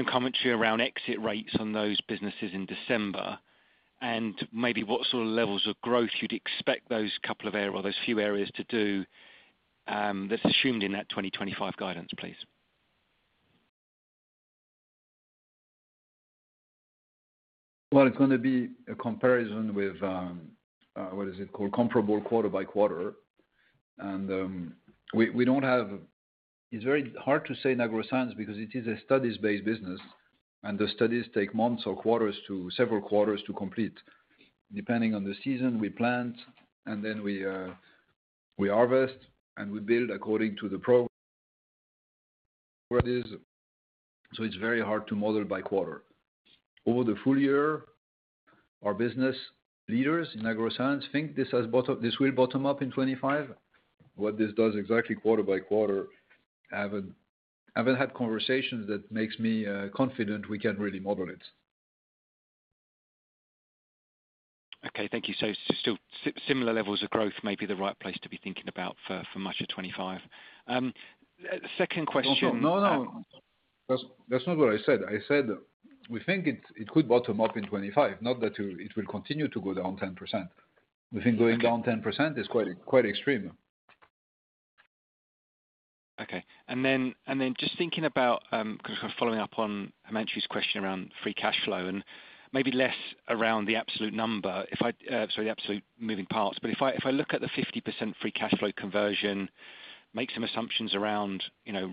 commentary around exit rates on those businesses in December and maybe what sort of levels of growth you'd expect those couple of areas or those few areas to do that's assumed in that 2025 guidance, please? Well, it's going to be a comparison with, what is it called, comparable quarter by quarter. And we don't have. It's very hard to say in Agroscience because it is a studies-based business, and the studies take months or quarters to several quarters to complete. Depending on the season, we plant, and then we harvest, and we build according to the program. So it's very hard to model by quarter. Over the full year, our business leaders in Agroscience think this will bottom out in 2025. What this does exactly quarter by quarter, I haven't had conversations that makes me confident we can really model it. Okay. Thank you. So similar levels of growth may be the right place to be thinking about for much of 2025. Second question. No, no. That's not what I said. I said we think it could bottom out in 2025, not that it will continue to go down 10%. We think going down 10% is quite extreme. Okay. And then just thinking about kind of following up on Himanshu's question around free cash flow and maybe less around the absolute number, sorry, the absolute moving parts. But if I look at the 50% free cash flow conversion, make some assumptions around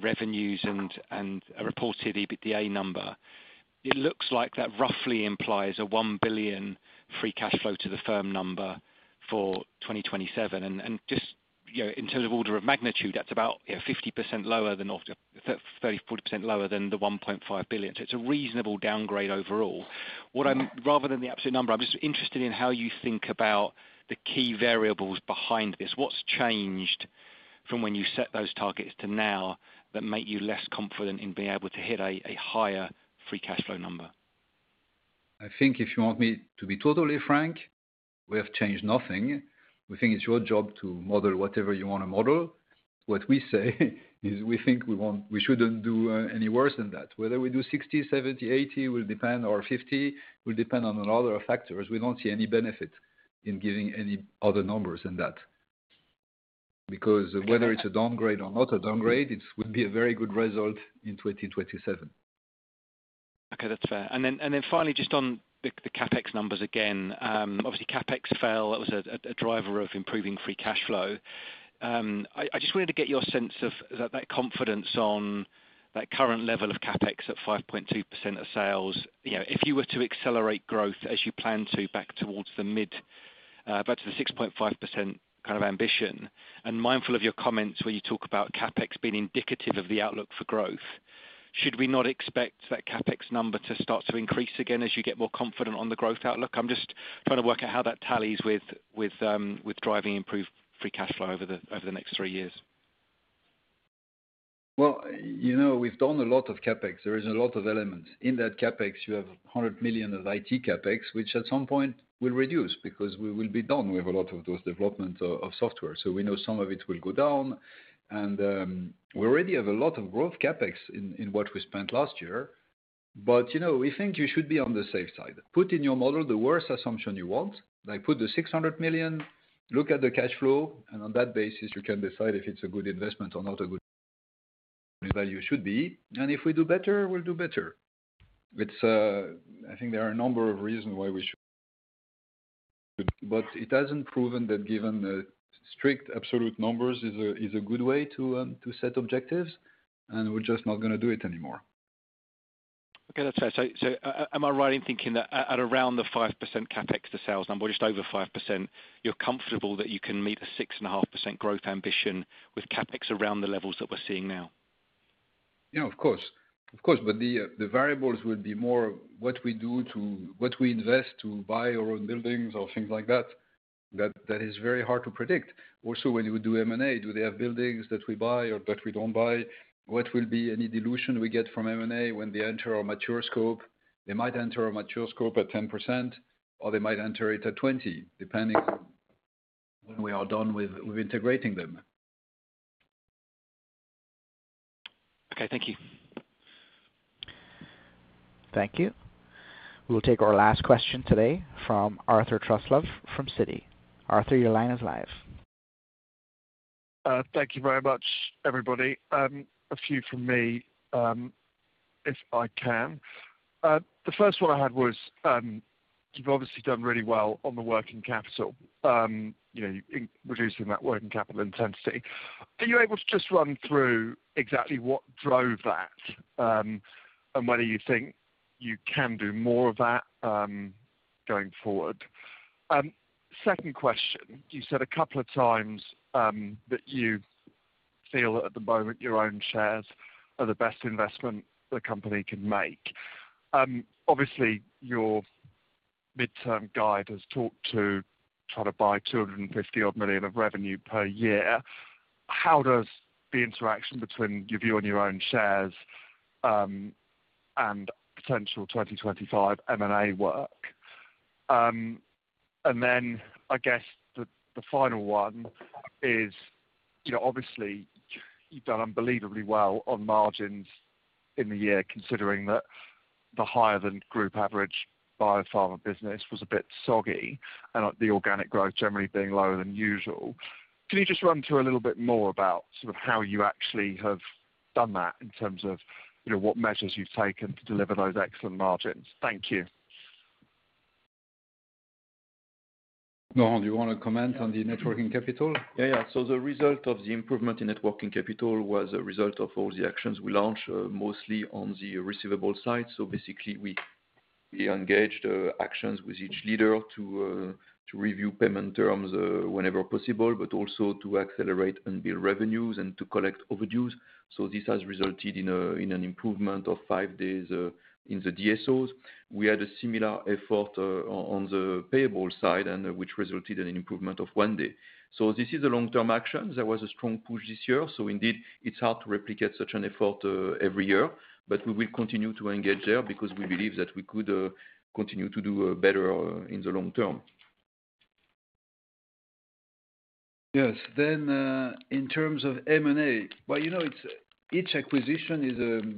revenues and a reported EBITDA number, it looks like that roughly implies a 1 billion free cash flow to the firm number for 2027. And just in terms of order of magnitude, that's about 50% lower than the 1.5 billion. So it's a reasonable downgrade overall. Rather than the absolute number, I'm just interested in how you think about the key variables behind this. What's changed from when you set those targets to now that make you less confident in being able to hit a higher free cash flow number? I think if you want me to be totally frank, we have changed nothing. We think it's your job to model whatever you want to model. What we say is we think we shouldn't do any worse than that. Whether we do 60, 70, 80, or 50 will depend on a lot of factors. We don't see any benefit in giving any other numbers than that. Because whether it's a downgrade or not a downgrade, it would be a very good result in 2027. Okay. That's fair. And then finally, just on the CapEx numbers again, obviously, CapEx fell. That was a driver of improving free cash flow. I just wanted to get your sense of that confidence on that current level of CapEx at 5.2% of sales. If you were to accelerate growth as you plan to back towards the 6.5% kind of ambition, and mindful of your comments where you talk about CapEx being indicative of the outlook for growth, should we not expect that CapEx number to start to increase again as you get more confident on the growth outlook? I'm just trying to work out how that tallies with driving improved free cash flow over the next three years? We've done a lot of CapEx. There is a lot of elements. In that CapEx, you have 100 million of IT CapEx, which at some point will reduce because we will be done with a lot of those developments of software. So we know some of it will go down. And we already have a lot of growth CapEx in what we spent last year. But we think you should be on the safe side. Put in your model the worst assumption you want. Put the 600 million, look at the cash flow, and on that basis, you can decide if it's a good investment or not a good value should be. And if we do better, we'll do better. I think there are a number of reasons why we should. But it hasn't proven that given strict absolute numbers is a good way to set objectives, and we're just not going to do it anymore. Okay. That's fair. So am I right in thinking that at around the 5% CapEx to sales number, just over 5%, you're comfortable that you can meet a 6.5% growth ambition with CapEx around the levels that we're seeing now? Yeah, of course. Of course. But the variables will be more what we do to what we invest to buy our own buildings or things like that. That is very hard to predict. Also, when we do M&A, do they have buildings that we buy or that we don't buy? What will be any dilution we get from M&A when they enter our mature scope? They might enter our mature scope at 10%, or they might enter it at 20%, depending on when we are done with integrating them. Okay. Thank you. Thank you. We'll take our last question today from Arthur Truslove from Citi. Arthur, your line is live. Thank you very much, everybody. A few from me, if I can. The first one I had was you've obviously done really well on the working capital, reducing that working capital intensity. Are you able to just run through exactly what drove that and whether you think you can do more of that going forward? Second question. You said a couple of times that you feel at the moment your own shares are the best investment the company can make. Obviously, your midterm guide has talked to try to buy 250-odd million of revenue per year. How does the interaction between your view on your own shares and potential 2025 M&A work? And then I guess the final one is, obviously, you've done unbelievably well on margins in the year, considering that the higher-than-group average BioPharma business was a bit soggy and the organic growth generally being lower than usual. Can you just run through a little bit more about sort of how you actually have done that in terms of what measures you've taken to deliver those excellent margins? Thank you. No, do you want to comment on the net working capital? Yeah, yeah. So the result of the improvement in net working capital was a result of all the actions we launched, mostly on the receivable side. So basically, we engaged actions with each leader to review payment terms whenever possible, but also to accelerate and build revenues and to collect overdues. This has resulted in an improvement of five days in the DSOs. We had a similar effort on the payable side, which resulted in an improvement of one day. This is a long-term action. There was a strong push this year. Indeed, it's hard to replicate such an effort every year, but we will continue to engage there because we believe that we could continue to do better in the long term. Yes. In terms of M&A, well, each acquisition is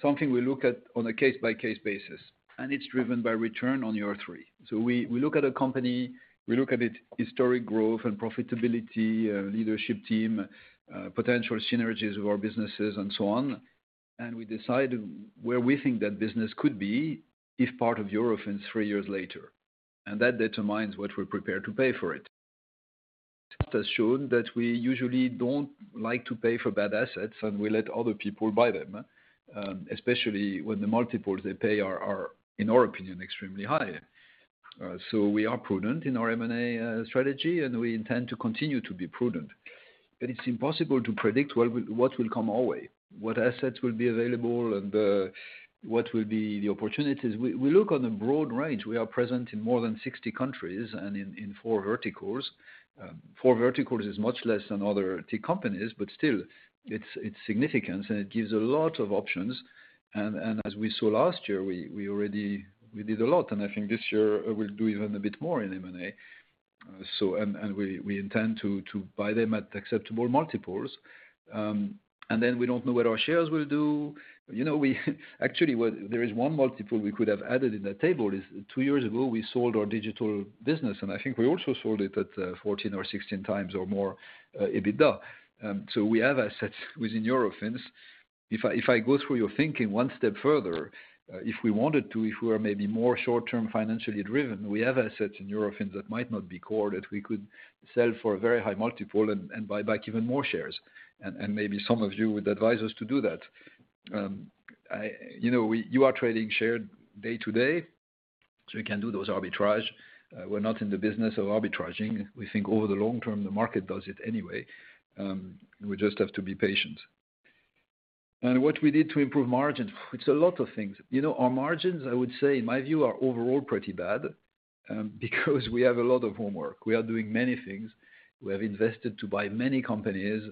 something we look at on a case-by-case basis, and it's driven by return on year three. We look at a company, we look at its historic growth and profitability, leadership team, potential synergies of our businesses, and so on. And we decide where we think that business could be if part of Eurofins three years later. That determines what we're prepared to pay for it. It has shown that we usually don't like to pay for bad assets, and we let other people buy them, especially when the multiples they pay are, in our opinion, extremely high. We are prudent in our M&A strategy, and we intend to continue to be prudent. It's impossible to predict what will come our way, what assets will be available, and what will be the opportunities. We look on a broad range. We are present in more than 60 countries and in four verticals. Four verticals is much less than other tech companies, but still, its significance and it gives a lot of options. As we saw last year, we did a lot. I think this year we'll do even a bit more in M&A. We intend to buy them at acceptable multiples. Then we don't know what our shares will do. Actually, there is one multiple we could have added in that table. Two years ago, we sold our digital business, and I think we also sold it at 14x or 16x or more EBITDA. So we have assets within Eurofins. If I go through your thinking one step further, if we wanted to, if we were maybe more short-term financially driven, we have assets in Eurofins that might not be core that we could sell for a very high multiple and buy back even more shares. And maybe some of you would advise us to do that. You are trading shares day to day, so you can do those arbitrage. We're not in the business of arbitraging. We think over the long term, the market does it anyway. We just have to be patient. What we did to improve margins, it's a lot of things. Our margins, I would say, in my view, are overall pretty bad because we have a lot of homework. We are doing many things. We have invested to buy many companies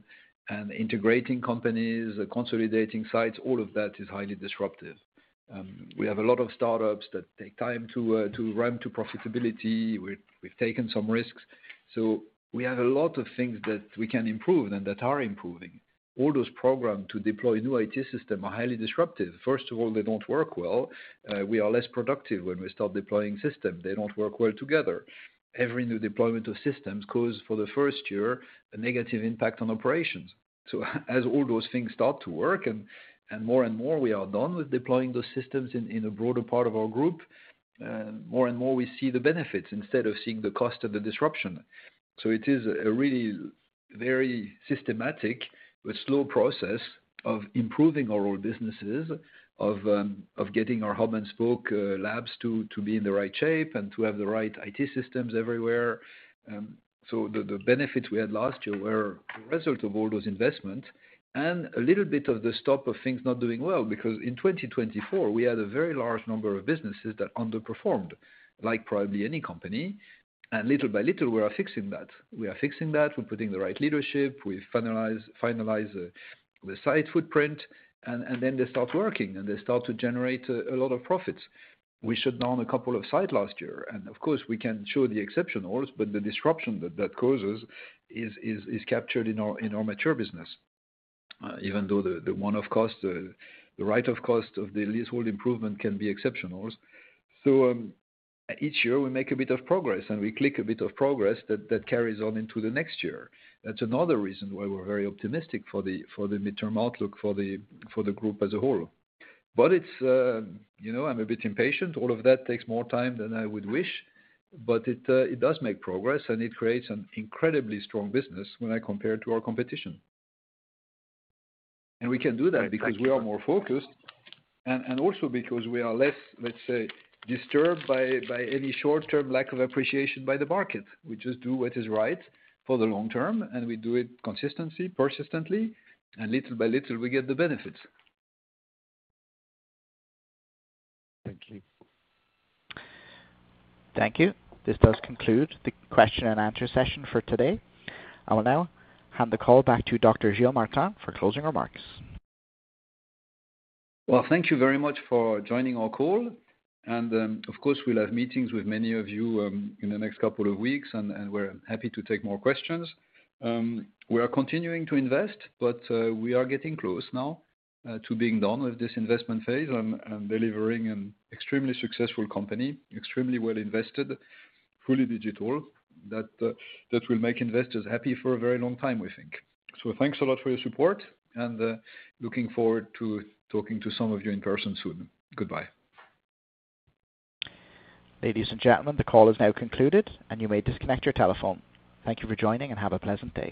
and integrating companies, consolidating sites. All of that is highly disruptive. We have a lot of startups that take time to ramp to profitability. We've taken some risks. So we have a lot of things that we can improve and that are improving. All those programs to deploy new IT systems are highly disruptive. First of all, they don't work well. We are less productive when we start deploying systems. They don't work well together. Every new deployment of systems causes, for the first year, a negative impact on operations. So as all those things start to work and more and more we are done with deploying those systems in a broader part of our group, more and more we see the benefits instead of seeing the cost of the disruption. So it is a really very systematic, but slow process of improving our own businesses, of getting our hub-and-spoke labs to be in the right shape and to have the right IT systems everywhere. So the benefits we had last year were a result of all those investments and a little bit of the stop of things not doing well. Because in 2024, we had a very large number of businesses that underperformed, like probably any company. And little by little, we are fixing that. We are fixing that. We're putting the right leadership. We finalize the site footprint, and then they start working, and they start to generate a lot of profits. We shut down a couple of sites last year. Of course, we can show the exceptionals, but the disruption that that causes is captured in our mature business, even though the write-off of the cost of the leasehold improvement can be exceptionals. Each year, we make a bit of progress, and we lock in a bit of progress that carries on into the next year. That's another reason why we're very optimistic for the medium-term outlook for the group as a whole. I'm a bit impatient. All of that takes more time than I would wish, but it does make progress, and it creates an incredibly strong business when I compare it to our competition. We can do that because we are more focused and also because we are less, let's say, disturbed by any short-term lack of appreciation by the market. We just do what is right for the long term, and we do it consistently, persistently, and little by little, we get the benefits. Thank you. Thank you. This does conclude the question and answer session for today. I will now hand the call back to Dr. Gilles Martin for closing remarks. Thank you very much for joining our call. Of course, we'll have meetings with many of you in the next couple of weeks, and we're happy to take more questions. We are continuing to invest, but we are getting close now to being done with this investment phase. I'm delivering an extremely successful company, extremely well invested, fully digital, that will make investors happy for a very long time, we think. So thanks a lot for your support, and looking forward to talking to some of you in person soon. Goodbye. Ladies and gentlemen, the call is now concluded, and you may disconnect your telephone. Thank you for joining, and have a pleasant day.